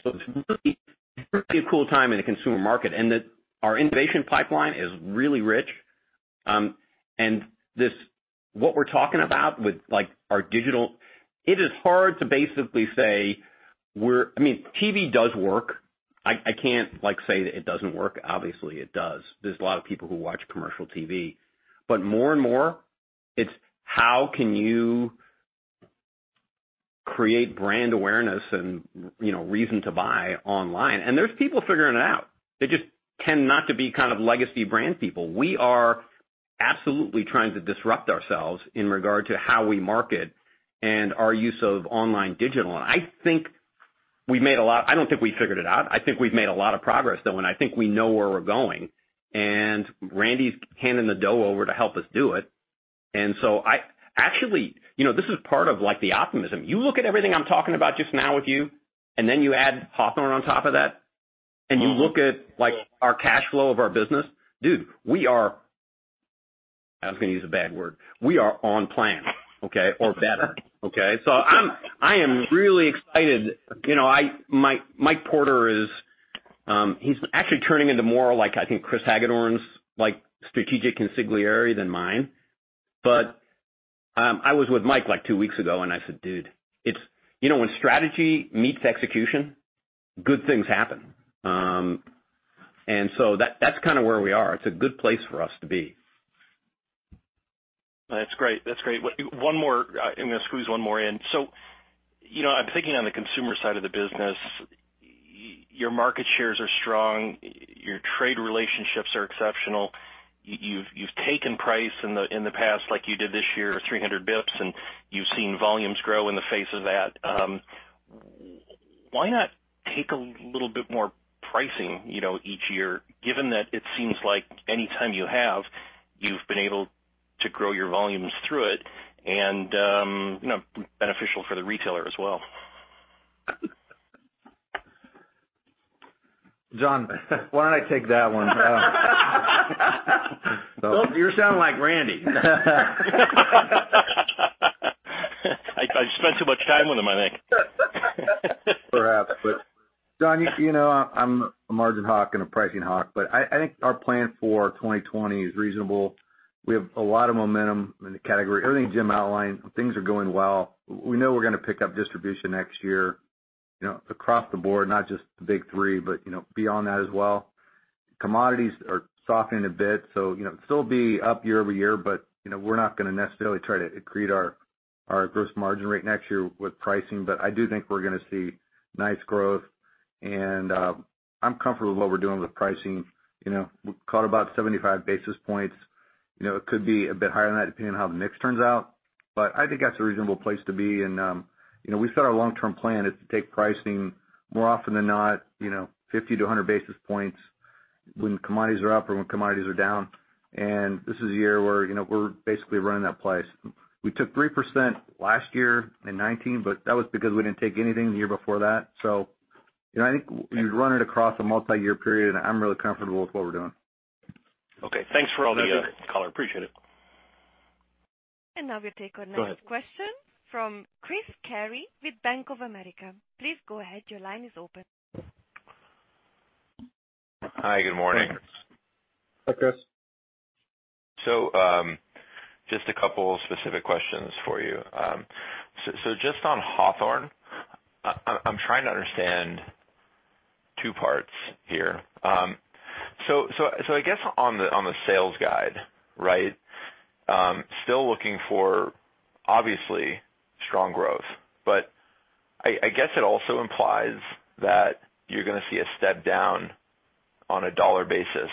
really a cool time in the consumer market in that our innovation pipeline is really rich. What we're talking about with our digital, it is hard to basically say TV does work. I can't say that it doesn't work. Obviously, it does. There's a lot of people who watch commercial TV. More and more, it's how can you create brand awareness and reason to buy online. There's people figuring it out. They just tend not to be kind of legacy brand people. We are absolutely trying to disrupt ourselves in regard to how we market and our use of online digital. I think we've made a lot. I don't think we've figured it out. I think we've made a lot of progress, though, and I think we know where we're going. Randy's handing the dough over to help us do it. Actually, this is part of the optimism. You look at everything I'm talking about just now with you, and then you add Hawthorne on top of that. You look at our cash flow of our business. Dude, we are I was going to use a bad word. We are on plan, okay. Better. Okay. I am really excited. Mike Porter is actually turning into more like, I think, Chris Hagedorn's strategic consigliere than mine. I was with Mike two weeks ago, and I said, "Dude, when strategy meets execution, good things happen." That's kind of where we are. It's a good place for us to be. That's great. One more. I'm going to squeeze one more in. I'm thinking on the consumer side of the business, your market shares are strong, your trade relationships are exceptional, you've taken price in the past like you did this year, 300 basis points, and you've seen volumes grow in the face of that. Why not take a little bit more pricing each year, given that it seems like any time you have, you've been able to grow your volumes through it, and beneficial for the retailer as well? Jon, why don't I take that one? Luke, you sound like Randy. I spent too much time with him, I think. Perhaps, Jon, I'm a margin hawk and a pricing hawk, but I think our plan for 2020 is reasonable. We have a lot of momentum in the category. Everything Jim outlined, things are going well. We know we're going to pick up distribution next year across the board, not just the big three, but beyond that as well. Commodities are softening a bit, so it'll still be up year-over-year, but we're not going to necessarily try to accrete our gross margin rate next year with pricing. I do think we're going to see nice growth, and I'm comfortable with what we're doing with pricing. We've caught about 75 basis points. It could be a bit higher than that, depending on how the mix turns out, but I think that's a reasonable place to be. We set our long-term plan is to take pricing more often than not 50 to 100 basis points when commodities are up or when commodities are down. This is a year where we're basically running that place. We took 3% last year in 2019, but that was because we didn't take anything the year before that. I think you run it across a multi-year period, and I'm really comfortable with what we're doing. Okay. Thanks for all the color. Appreciate it. Now we'll take our next question from Chris Carey with Bank of America. Please go ahead. Your line is open. Hi. Good morning. Hi, Chris. Just a couple specific questions for you. Just on Hawthorne, I'm trying to understand two parts here. I guess on the sales guide, still looking for, obviously, strong growth. I guess it also implies that you're going to see a step down on a dollar basis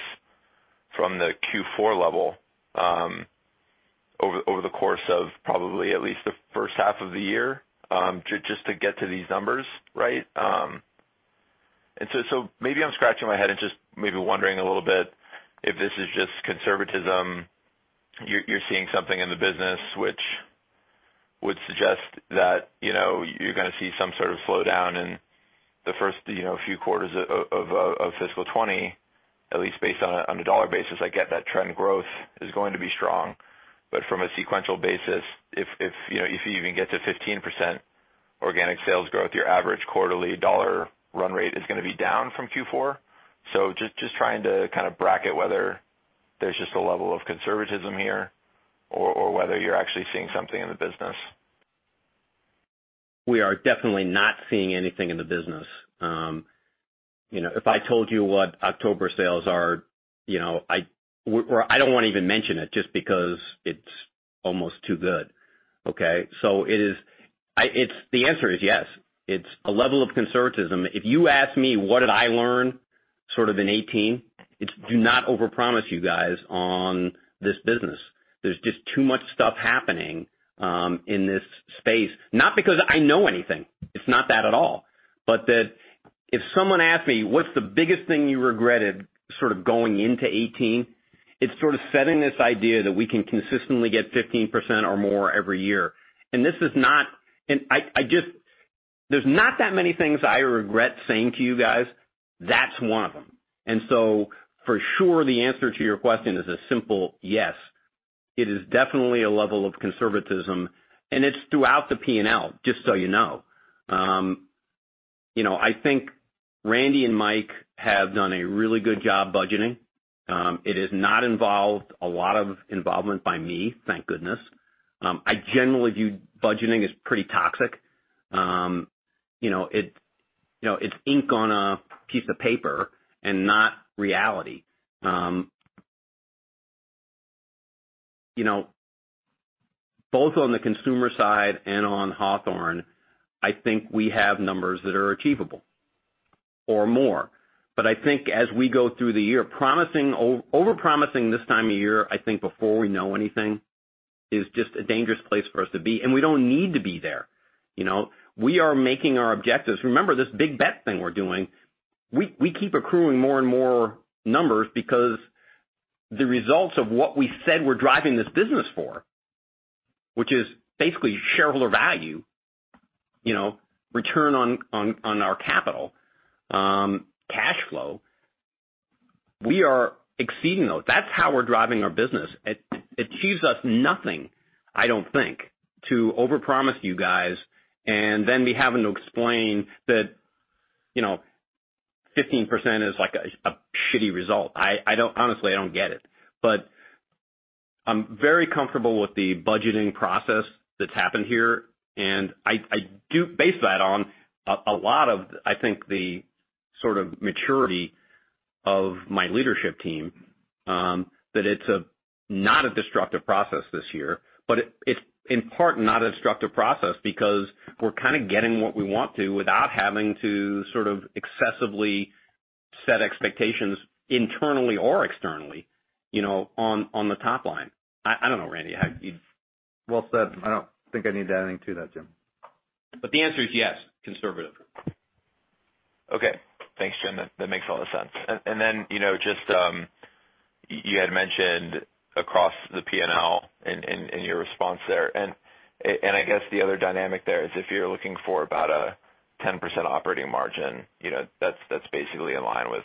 from the Q4 level over the course of probably at least the first half of the year, just to get to these numbers. Right? Maybe I'm scratching my head and just maybe wondering a little bit if this is just conservatism. You're seeing something in the business which would suggest that you're going to see some sort of slowdown in the first few quarters of fiscal 2020, at least based on a dollar basis. I get that trend growth is going to be strong. From a sequential basis, if you even get to 15% organic sales growth, your average quarterly dollar run rate is going to be down from Q4. Just trying to kind of bracket whether there's just a level of conservatism here or whether you're actually seeing something in the business. We are definitely not seeing anything in the business. If I told you what October sales are, I don't want to even mention it just because it's almost too good. Okay? The answer is yes. It's a level of conservatism. If you ask me what did I learn sort of in 2018, it's do not overpromise you guys on this business. There's just too much stuff happening in this space. Not because I know anything. It's not that at all. That if someone asked me, "What's the biggest thing you regretted sort of going into 2018?" It's sort of setting this idea that we can consistently get 15% or more every year. There's not that many things I regret saying to you guys. That's one of them. For sure, the answer to your question is a simple yes. It is definitely a level of conservatism, and it's throughout the P&L, just so you know. I think Randy and Mike have done a really good job budgeting. It has not involved a lot of involvement by me, thank goodness. I generally view budgeting as pretty toxic. It's ink on a piece of paper and not reality. Both on the consumer side and on Hawthorne, I think we have numbers that are achievable or more. I think as we go through the year, overpromising this time of year, I think before we know anything, is just a dangerous place for us to be, and we don't need to be there. We are making our objectives. Remember this big bet thing we're doing. We keep accruing more and more numbers because the results of what we said we're driving this business for, which is basically shareholder value, return on our capital, cash flow, we are exceeding those. That's how we're driving our business. It achieves us nothing, I don't think, to overpromise you guys and then be having to explain that 15% is like a shitty result. Honestly, I don't get it. I'm very comfortable with the budgeting process that's happened here, and I do base that on a lot of, I think, the sort of maturity of my leadership team, that it's not a destructive process this year. It's in part not a destructive process because we're kind of getting what we want to without having to sort of excessively set expectations internally or externally on the top line. I don't know, Randy. Well said. I don't think I need to add anything to that, Jim. The answer is yes, conservative. Okay. Thanks, Jim. That makes a lot of sense. Then, you had mentioned across the P&L in your response there, and I guess the other dynamic there is if you're looking for about a 10% operating margin that's basically in line with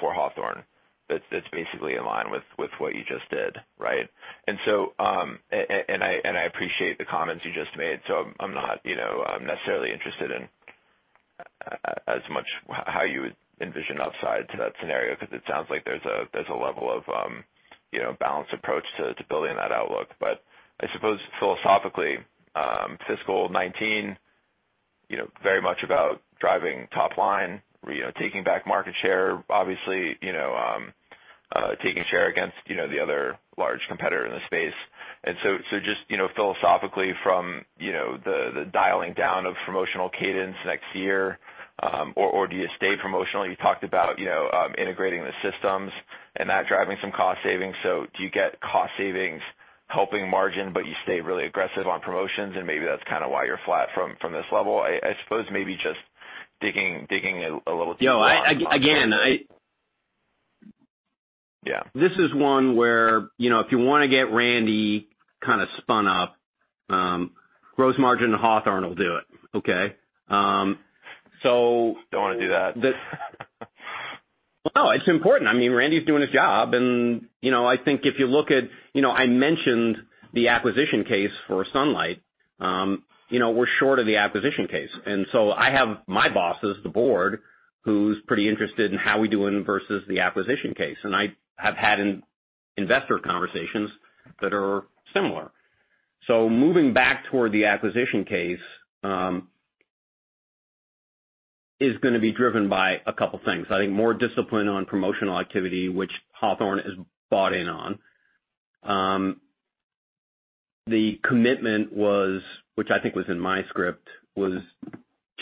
for Hawthorne. That's basically in line with what you just did. Right? I appreciate the comments you just made, so I'm not necessarily interested in as much how you would envision upside to that scenario, because it sounds like there's a level of balanced approach to building that outlook. I suppose philosophically, fiscal 2019, very much about driving top line, taking back market share, obviously, taking share against the other large competitor in the space. Just philosophically from the dialing down of promotional cadence next year, or do you stay promotional? You talked about integrating the systems and that driving some cost savings. Do you get cost savings, helping margin, but you stay really aggressive on promotions, and maybe that's kind of why you're flat from this level. I suppose maybe just digging a little deeper on. Again. Yeah This is one where, if you want to get Randy kind of spun up, gross margin Hawthorne will do it. Okay? Don't want to do that. Well, it's important. Randy's doing his job, and I think if you look at, I mentioned the acquisition case for Sunlight. We're short of the acquisition case. I have my bosses, the board, who's pretty interested in how we're doing versus the acquisition case. I have had investor conversations that are similar. Moving back toward the acquisition case, is going to be driven by a couple things. I think more discipline on promotional activity, which Hawthorne has bought in on. The commitment was, which I think was in my script, was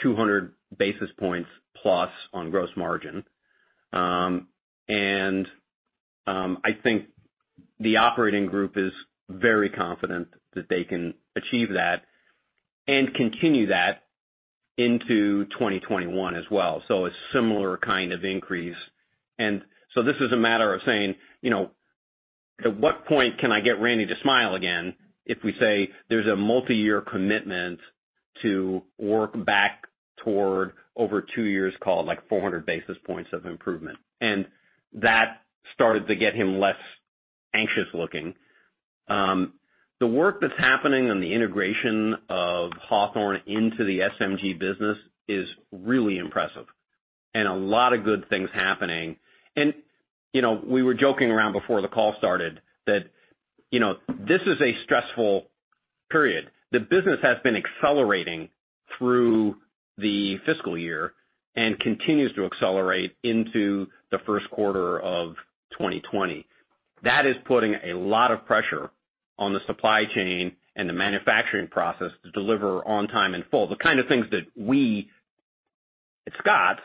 200 basis points plus on gross margin. I think the operating group is very confident that they can achieve that and continue that into 2021 as well. A similar kind of increase. This is a matter of saying, at what point can I get Randy to smile again if we say there's a multi-year commitment to work back toward over two years called, like 400 basis points of improvement. That started to get him less anxious looking. The work that's happening on the integration of Hawthorne into the SMG business is really impressive, and a lot of good things happening. We were joking around before the call started that this is a stressful period. The business has been accelerating through the fiscal year and continues to accelerate into the first quarter of 2020. That is putting a lot of pressure on the supply chain and the manufacturing process to deliver on time in full. The kind of things that we, at Scotts,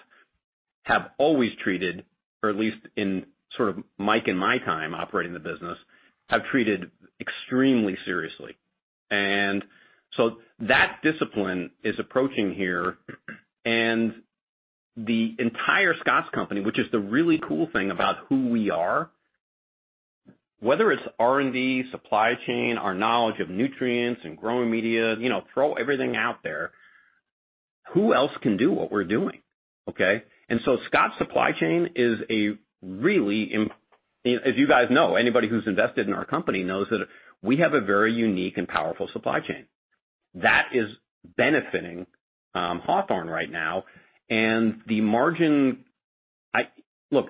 have always treated, or at least in sort of Mike and my time operating the business, have treated extremely seriously. That discipline is approaching here and the entire Scotts Company, which is the really cool thing about who we are, whether it's R&D, supply chain, our knowledge of nutrients and growing media, throw everything out there. Who else can do what we're doing? Okay? Scotts' supply chain is a really As you guys know, anybody who's invested in our company knows that we have a very unique and powerful supply chain. That is benefiting Hawthorne right now. The margin Look,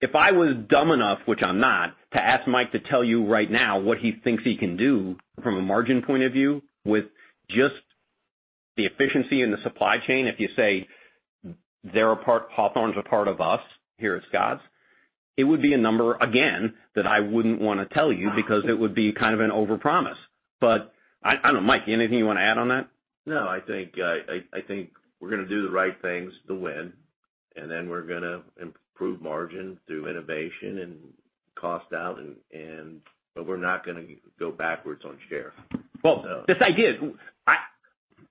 if I was dumb enough, which I'm not, to ask Mike to tell you right now what he thinks he can do from a margin point of view with just the efficiency in the supply chain. If you say Hawthorne's a part of us here at Scotts, it would be a number, again, that I wouldn't want to tell you because it would be kind of an overpromise. I don't know, Mike, anything you want to add on that? No, I think we're going to do the right things to win, and then we're going to improve margin through innovation and cost out. We're not going to go backwards on share. Well, this idea.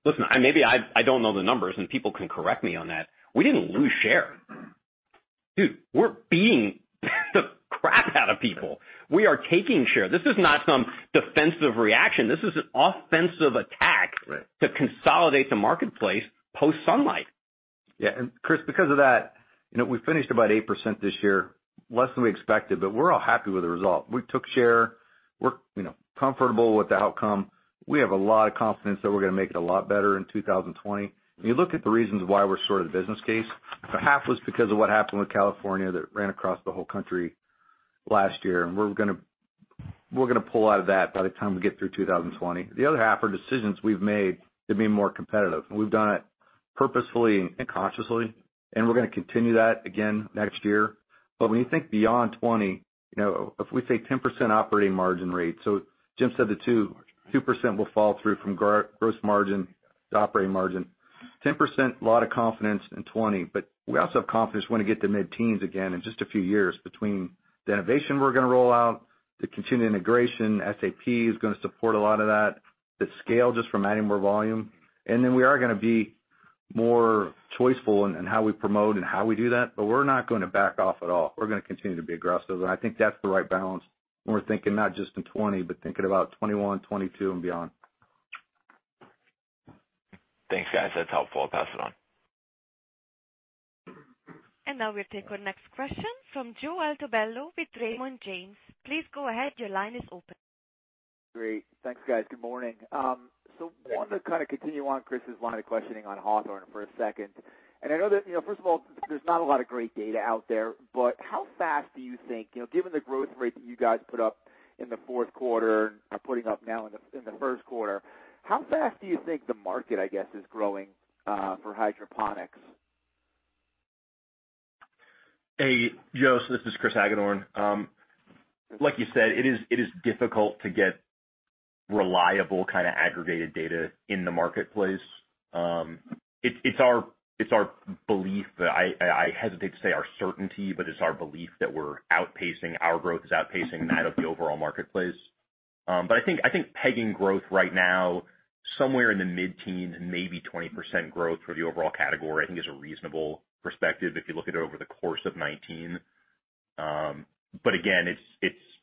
Listen, maybe I don't know the numbers, and people can correct me on that. We didn't lose share. Dude, we're beating the crap out of people. We are taking share. This is not some defensive reaction. This is an offensive attack. Right to consolidate the marketplace post-Sunlight. Chris, because of that, we finished about 8% this year, less than we expected, but we're all happy with the result. We took share. We're comfortable with the outcome. We have a lot of confidence that we're going to make it a lot better in 2020. If you look at the reasons why we're short of the business case, half was because of what happened with California that ran across the whole country last year, and we're going to pull out of that by the time we get through 2020. The other half are decisions we've made to be more competitive, and we've done it purposefully and consciously, and we're going to continue that again next year. When you think beyond 2020, if we say 10% operating margin rate, Jim said that 2% will fall through from gross margin to operating margin. 10%, a lot of confidence in 2020, but we also have confidence we're going to get to mid-teens again in just a few years between the innovation we're going to roll out, the continued integration, SAP is going to support a lot of that, the scale just from adding more volume. We are going to be more choiceful in how we promote and how we do that, but we're not going to back off at all. We're going to continue to be aggressive, and I think that's the right balance when we're thinking not just in 2020, but thinking about 2021, 2022, and beyond. Thanks, guys. That's helpful. Pass it on. Now we'll take our next question from Joe Altobello with Raymond James. Please go ahead. Your line is open. Great. Thanks, guys. Good morning. Wanted to kind of continue on Chris' line of questioning on Hawthorne for a second. I know that, first of all, there's not a lot of great data out there, but how fast do you think, given the growth rate that you guys put up in the fourth quarter and are putting up now in the first quarter? How fast do you think the market, I guess, is growing for hydroponics? Hey, Joe. This is Chris Hagedorn. Like you said, it is difficult to get reliable kind of aggregated data in the marketplace. It's our belief that, I hesitate to say our certainty, but it's our belief that our growth is outpacing that of the overall marketplace. I think pegging growth right now, somewhere in the mid-teens, maybe 20% growth for the overall category, I think is a reasonable perspective if you look at it over the course of 2019. Again,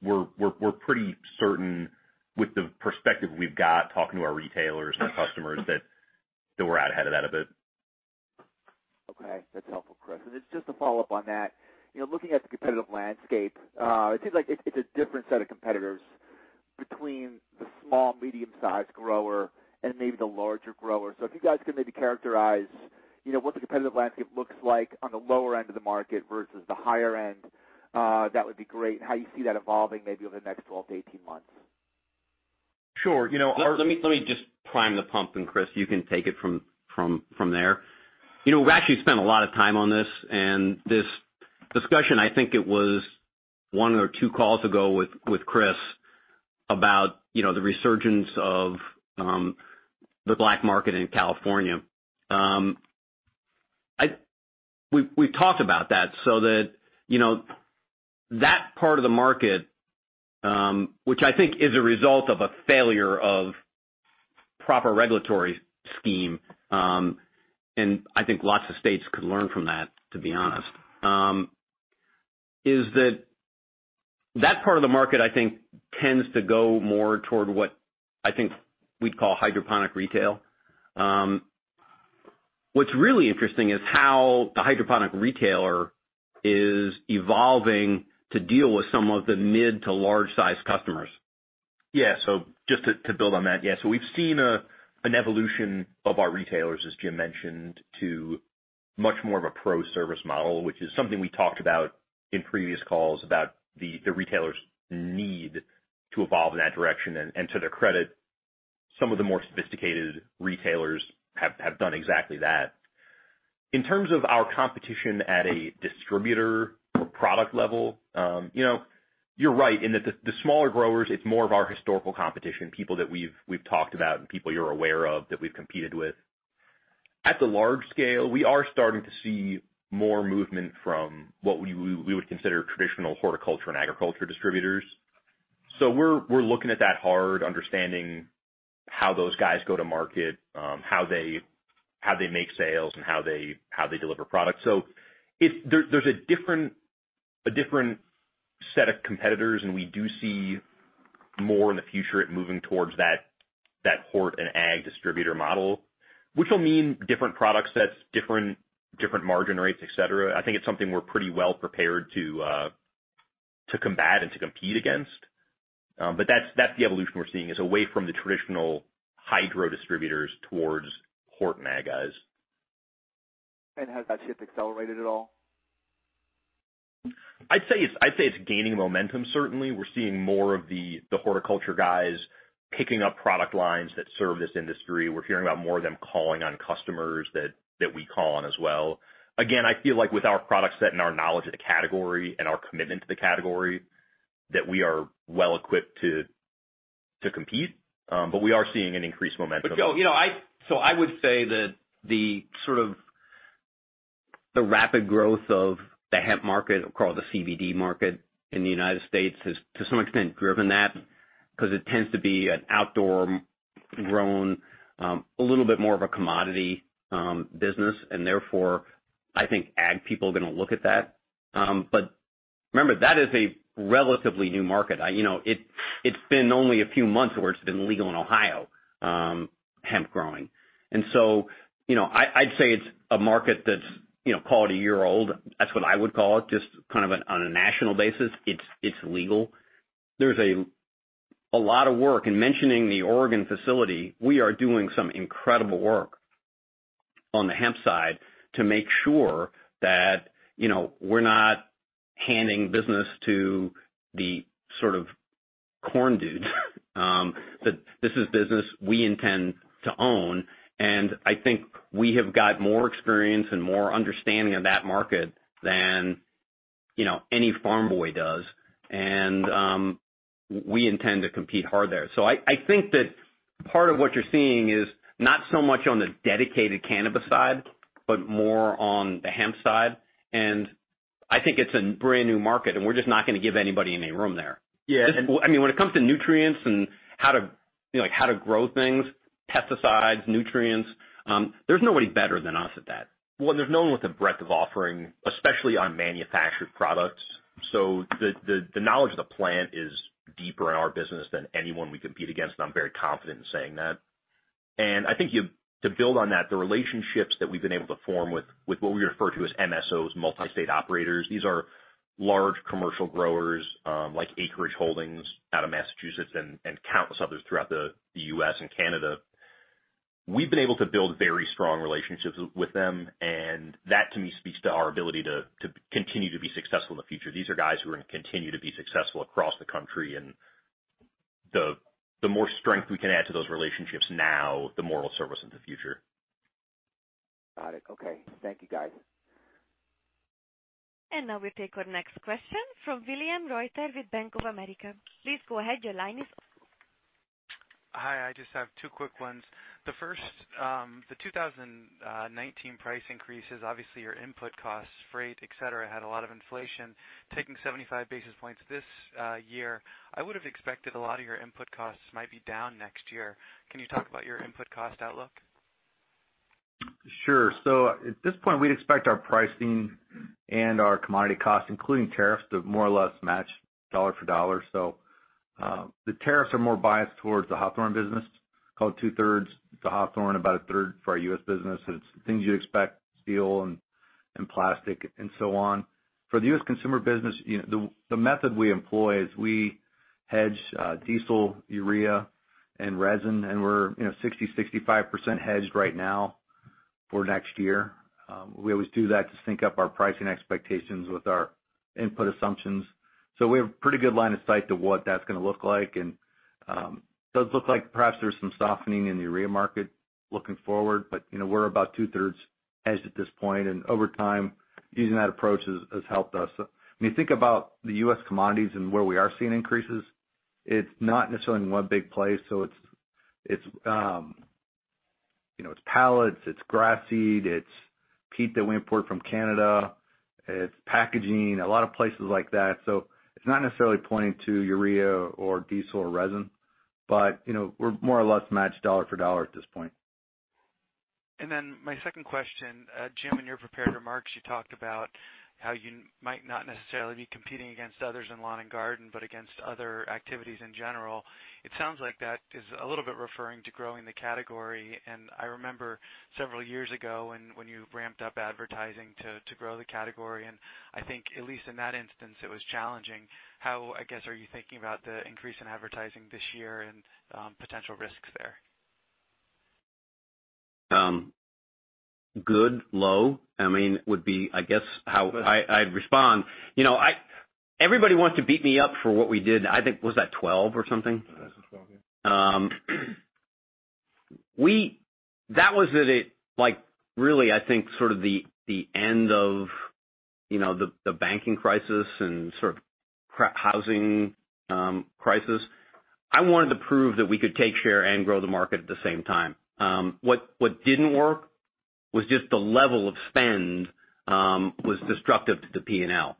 we're pretty certain with the perspective we've got, talking to our retailers, our customers, that we're out ahead of that a bit. Okay. That's helpful, Chris. Just a follow-up on that. Looking at the competitive landscape, it seems like it's a different set of competitors between the small, medium-sized grower and maybe the larger grower. If you guys could maybe characterize what the competitive landscape looks like on the lower end of the market versus the higher end, that would be great. How you see that evolving maybe over the next 12-18 months. Sure. Let me just prime the pump, and Chris, you can take it from there. We actually spent a lot of time on this, and this discussion, I think it was one or two calls ago with Chris about the resurgence of the black market in California. We've talked about that, so that part of the market, which I think is a result of a failure of proper regulatory scheme, and I think lots of states could learn from that, to be honest, is that part of the market, I think, tends to go more toward what I think we'd call hydroponic retail. What's really interesting is how the hydroponic retailer is evolving to deal with some of the mid to large-size customers. Yeah. Just to build on that. We've seen an evolution of our retailers, as Jim mentioned, to much more of a pro service model, which is something we talked about in previous calls about the retailer's need to evolve in that direction. To their credit, some of the more sophisticated retailers have done exactly that. In terms of our competition at a distributor or product level, you're right in that the smaller growers, it's more of our historical competition, people that we've talked about and people you're aware of, that we've competed with. At the large scale, we are starting to see more movement from what we would consider traditional horticulture and agriculture distributors. We're looking at that hard, understanding how those guys go to market, how they make sales, and how they deliver product. There's a different set of competitors, and we do see more in the future it moving towards that hort and ag distributor model, which will mean different product sets, different margin rates, et cetera. I think it's something we're pretty well prepared to combat and to compete against. That's the evolution we're seeing, is away from the traditional hydro distributors towards hort and ag guys. Has that shift accelerated at all? I'd say it's gaining momentum, certainly. We're seeing more of the horticulture guys picking up product lines that serve this industry. We're hearing about more of them calling on customers that we call on as well. Again, I feel like with our product set and our knowledge of the category and our commitment to the category, that we are well equipped to compete, but we are seeing an increased momentum. I would say that the rapid growth of the hemp market, or call it the CBD market in the U.S., has to some extent driven that because it tends to be an outdoor grown, a little bit more of a commodity business, and therefore, I think ag people are going to look at that. Remember, that is a relatively new market. It's been only a few months where it's been legal in Ohio, hemp growing. I'd say it's a market that's call it a year old. That's what I would call it, just kind of on a national basis, it's legal. There's a lot of work. In mentioning the Oregon facility, we are doing some incredible work on the hemp side to make sure that we're not handing business to the sort of corn dudes. That this is business we intend to own, and I think we have got more experience and more understanding of that market than any farm boy does. We intend to compete hard there. I think that part of what you're seeing is not so much on the dedicated cannabis side, but more on the hemp side. I think it's a brand-new market, and we're just not going to give anybody any room there. Yeah. When it comes to nutrients and how to grow things, pesticides, nutrients, there's nobody better than us at that. Well, there's no one with the breadth of offering, especially on manufactured products. The knowledge of the plant is deeper in our business than anyone we compete against, and I'm very confident in saying that. I think to build on that, the relationships that we've been able to form with what we refer to as MSOs, multi-state operators. These are large commercial growers, like Acreage Holdings out of Massachusetts and countless others throughout the U.S. and Canada. We've been able to build very strong relationships with them, and that, to me, speaks to our ability to continue to be successful in the future. These are guys who are going to continue to be successful across the country, and the more strength we can add to those relationships now, the more it'll service us in the future. Got it. Okay. Thank you guys. Now we'll take our next question from William Reuter with Bank of America. Please go ahead. Your line is open. Hi. I just have two quick ones. The first, the 2019 price increases, obviously your input costs, freight, et cetera, had a lot of inflation. Taking 75 basis points this year, I would have expected a lot of your input costs might be down next year. Can you talk about your input cost outlook? At this point, we'd expect our pricing and our commodity costs, including tariffs, to more or less match dollar for dollar. The tariffs are more biased towards the Hawthorne business, call it two-thirds the Hawthorne, about a third for our U.S. business. It's things you'd expect, steel and plastic and so on. For the U.S. consumer business, the method we employ is we hedge diesel, urea, and resin, and we're 60%-65% hedged right now for next year. We always do that to sync up our pricing expectations with our input assumptions. We have pretty good line of sight to what that's going to look like. It does look like perhaps there's some softening in the urea market looking forward, but we're about two-thirds hedged at this point, and over time, using that approach has helped us. When you think about the U.S. commodities and where we are seeing increases, it's not necessarily in one big place. It's pallets, it's grass seed, it's peat that we import from Canada, it's packaging, a lot of places like that. It's not necessarily pointing to urea or diesel or resin, but we're more or less matched dollar for dollar at this point. My second question, Jim, in your prepared remarks, you talked about how you might not necessarily be competing against others in lawn and garden, but against other activities in general. It sounds like that is a little bit referring to growing the category. I remember several years ago when you ramped up advertising to grow the category, and I think at least in that instance, it was challenging. How, I guess, are you thinking about the increase in advertising this year and potential risks there? Good, low, would be I guess how I'd respond. Everybody wants to beat me up for what we did, I think, was that 2012 or something? 2012, yeah. That was at, really I think the end of the banking crisis and housing crisis. I wanted to prove that we could take share and grow the market at the same time. What didn't work was just the level of spend was destructive to the P&L.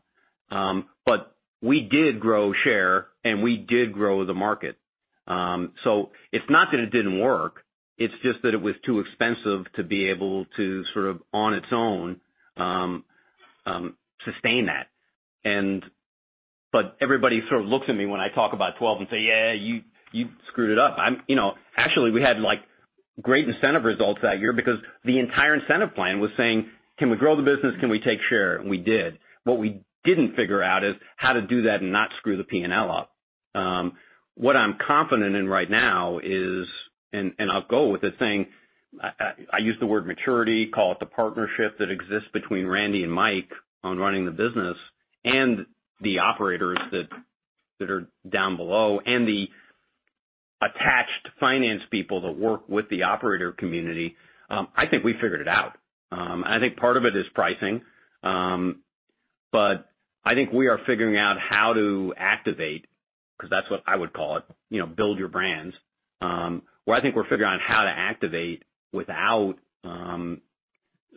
We did grow share and we did grow the market. It's not that it didn't work, it's just that it was too expensive to be able to, on its own, sustain that. Everybody looks at me when I talk about 2012 and say, "Yeah, you screwed it up." Actually, we had great incentive results that year because the entire incentive plan was saying, "Can we grow the business? Can we take share?" We did. What we didn't figure out is how to do that and not screw the P&L up. What I'm confident in right now is, and I'll go with it, saying, I use the word maturity, call it the partnership that exists between Randy and Mike on running the business, and the operators that are down below, and the attached finance people that work with the operator community. I think we figured it out. I think part of it is pricing. I think we are figuring out how to activate, because that's what I would call it, build your brands, where I think we're figuring out how to activate without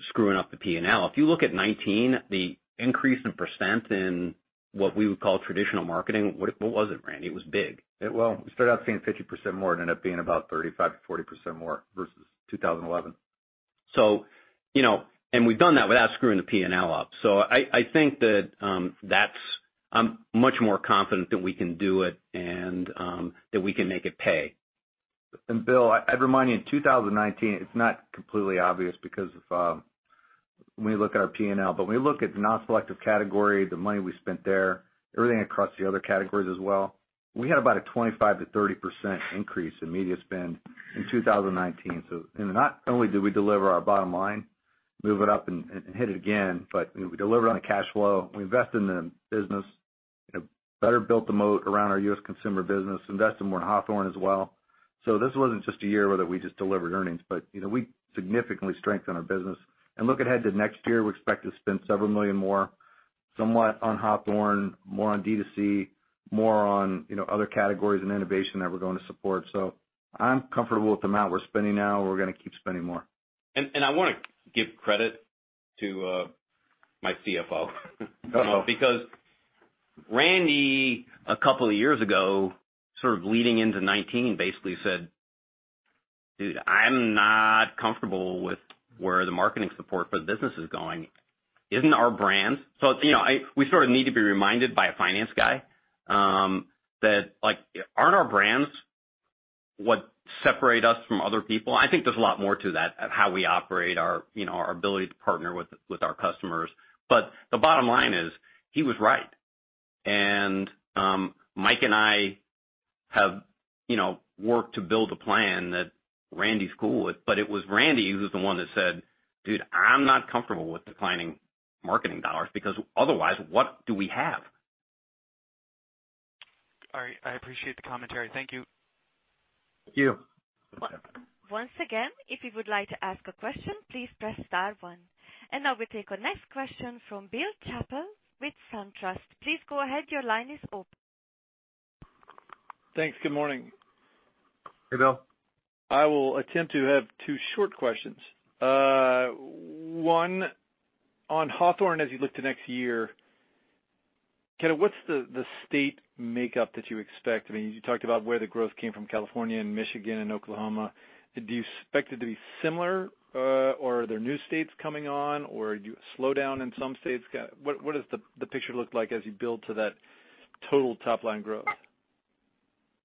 screwing up the P&L. If you look at 2019, the increase in percent in what we would call traditional marketing, what was it, Randy? It was big. Well, we started out seeing 50% more. It ended up being about 35%-40% more versus 2011. We've done that without screwing the P&L up. I think that I'm much more confident that we can do it and that we can make it pay. Will, I'd remind you, in 2019, it's not completely obvious because if we look at our P&L, but when we look at the non-selective category, the money we spent there, everything across the other categories as well, we had about a 25%-30% increase in media spend in 2019. Not only did we deliver our bottom line, move it up and hit it again, but we delivered on the cash flow. We invested in the business, better built the moat around our U.S. consumer business, invested more in Hawthorne as well. This wasn't just a year where we just delivered earnings, but we significantly strengthened our business. Looking ahead to next year, we expect to spend several million more, somewhat on Hawthorne, more on D2C, more on other categories and innovation that we're going to support. I'm comfortable with the amount we're spending now. We're going to keep spending more. I want to give credit to my CFO because Randy, a couple of years ago, sort of leading into 2019, basically said, "Dude, I'm not comfortable with where the marketing support for the business is going." We sort of need to be reminded by a finance guy that, aren't our brands what separate us from other people? I think there's a lot more to that, how we operate, our ability to partner with our customers. The bottom line is, he was right. Mike and I have worked to build a plan that Randy's cool with, but it was Randy who's the one that said, "Dude, I'm not comfortable with declining marketing dollars, because otherwise, what do we have? I appreciate the commentary. Thank you. Thank you. Once again, if you would like to ask a question, please press star one. Now we take our next question from Bill Chappell with SunTrust. Please go ahead. Your line is open. Thanks. Good morning. Hey, Bill. I will attempt to have two short questions. One on Hawthorne, as you look to next year, kind of what's the state makeup that you expect? I mean, you talked about where the growth came from, California and Michigan and Oklahoma. Do you expect it to be similar, or are there new states coming on, or do you slow down in some states? What does the picture look like as you build to that total top-line growth?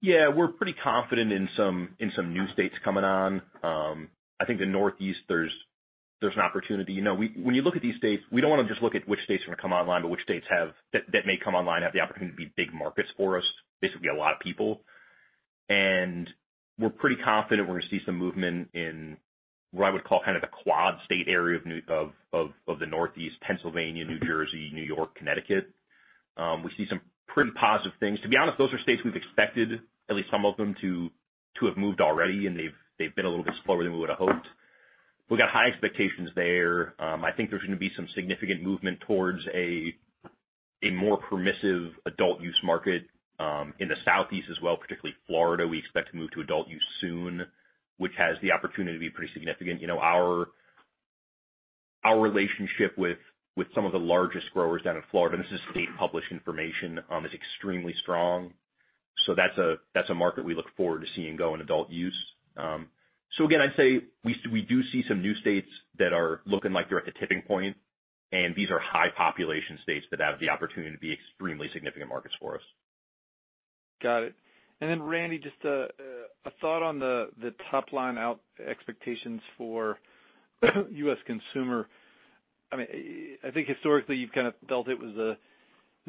Yeah, we're pretty confident in some new states coming on. I think the Northeast, there's an opportunity. When you look at these states, we don't want to just look at which states are going to come online, but which states that may come online have the opportunity to be big markets for us, basically a lot of people. We're pretty confident we're gonna see some movement in what I would call kind of the quad state area of the Northeast, Pennsylvania, New Jersey, New York, Connecticut. We see some pretty positive things. To be honest, those are states we've expected, at least some of them, to have moved already, and they've been a little bit slower than we would've hoped. We've got high expectations there. I think there's going to be some significant movement towards a more permissive adult use market in the Southeast as well, particularly Florida. We expect to move to adult use soon, which has the opportunity to be pretty significant. Our relationship with some of the largest growers down in Florida, and this is state-published information, is extremely strong. That's a market we look forward to seeing go in adult use. Again, I'd say we do see some new states that are looking like they're at the tipping point, and these are high population states that have the opportunity to be extremely significant markets for us. Got it. Randy, just a thought on the top line out expectations for U.S. consumer. I think historically you've kind of felt it was a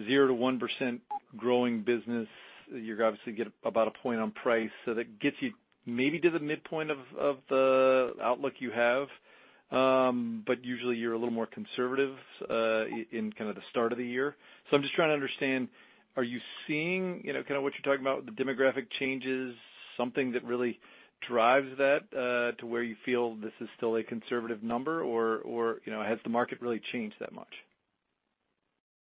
0%-1% growing business. You obviously get about one point on price. That gets you maybe to the midpoint of the outlook you have. Usually you're a little more conservative in kind of the start of the year. I'm just trying to understand, are you seeing kind of what you're talking about with the demographic changes, something that really drives that to where you feel this is still a conservative number or has the market really changed that much?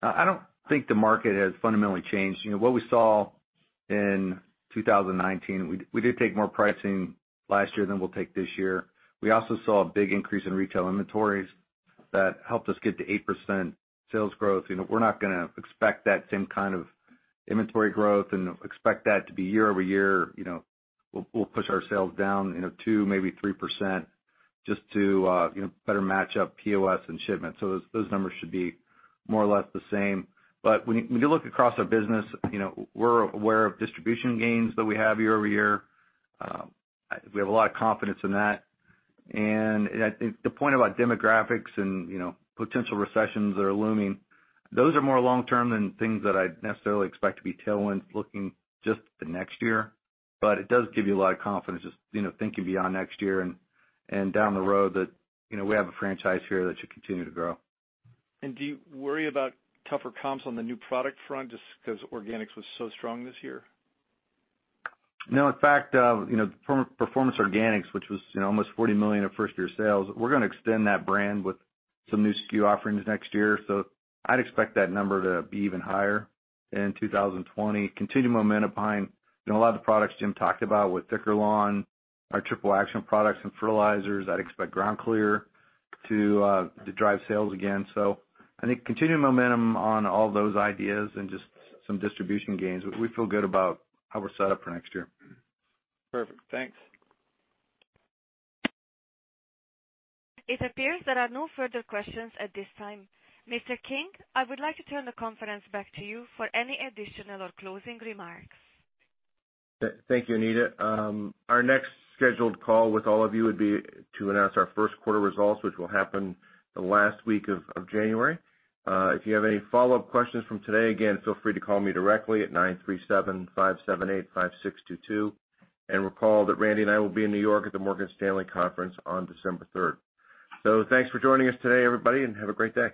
I don't think the market has fundamentally changed. What we saw in 2019, we did take more pricing last year than we'll take this year. We also saw a big increase in retail inventories that helped us get to 8% sales growth. We're not gonna expect that same kind of inventory growth and expect that to be year-over-year. We'll push our sales down 2%, maybe 3% just to better match up POS and shipments. Those numbers should be more or less the same. When you look across our business, we're aware of distribution gains that we have year-over-year. We have a lot of confidence in that. I think the point about demographics and potential recessions that are looming, those are more long-term than things that I'd necessarily expect to be tailwind looking just at the next year. It does give you a lot of confidence, just thinking beyond next year and down the road, that we have a franchise here that should continue to grow. Do you worry about tougher comps on the new product front, just because organics was so strong this year? No. In fact, Performance Organics, which was almost $40 million of first-year sales, we're gonna extend that brand with some new SKU offerings next year. I'd expect that number to be even higher in 2020. Continued momentum behind a lot of the products Jim talked about with Thick'R Lawn, our Triple Action products and fertilizers. I'd expect Ground Clear to drive sales again. I think continued momentum on all those ideas and just some distribution gains. We feel good about how we're set up for next year. Perfect. Thanks. It appears there are no further questions at this time. Mr. King, I would like to turn the conference back to you for any additional or closing remarks. Thank you, Anita. Our next scheduled call with all of you would be to announce our first quarter results, which will happen the last week of January. If you have any follow-up questions from today, again, feel free to call me directly at 937-578-5622. Recall that Randy and I will be in New York at the Morgan Stanley conference on December 3rd. Thanks for joining us today, everybody, and have a great day.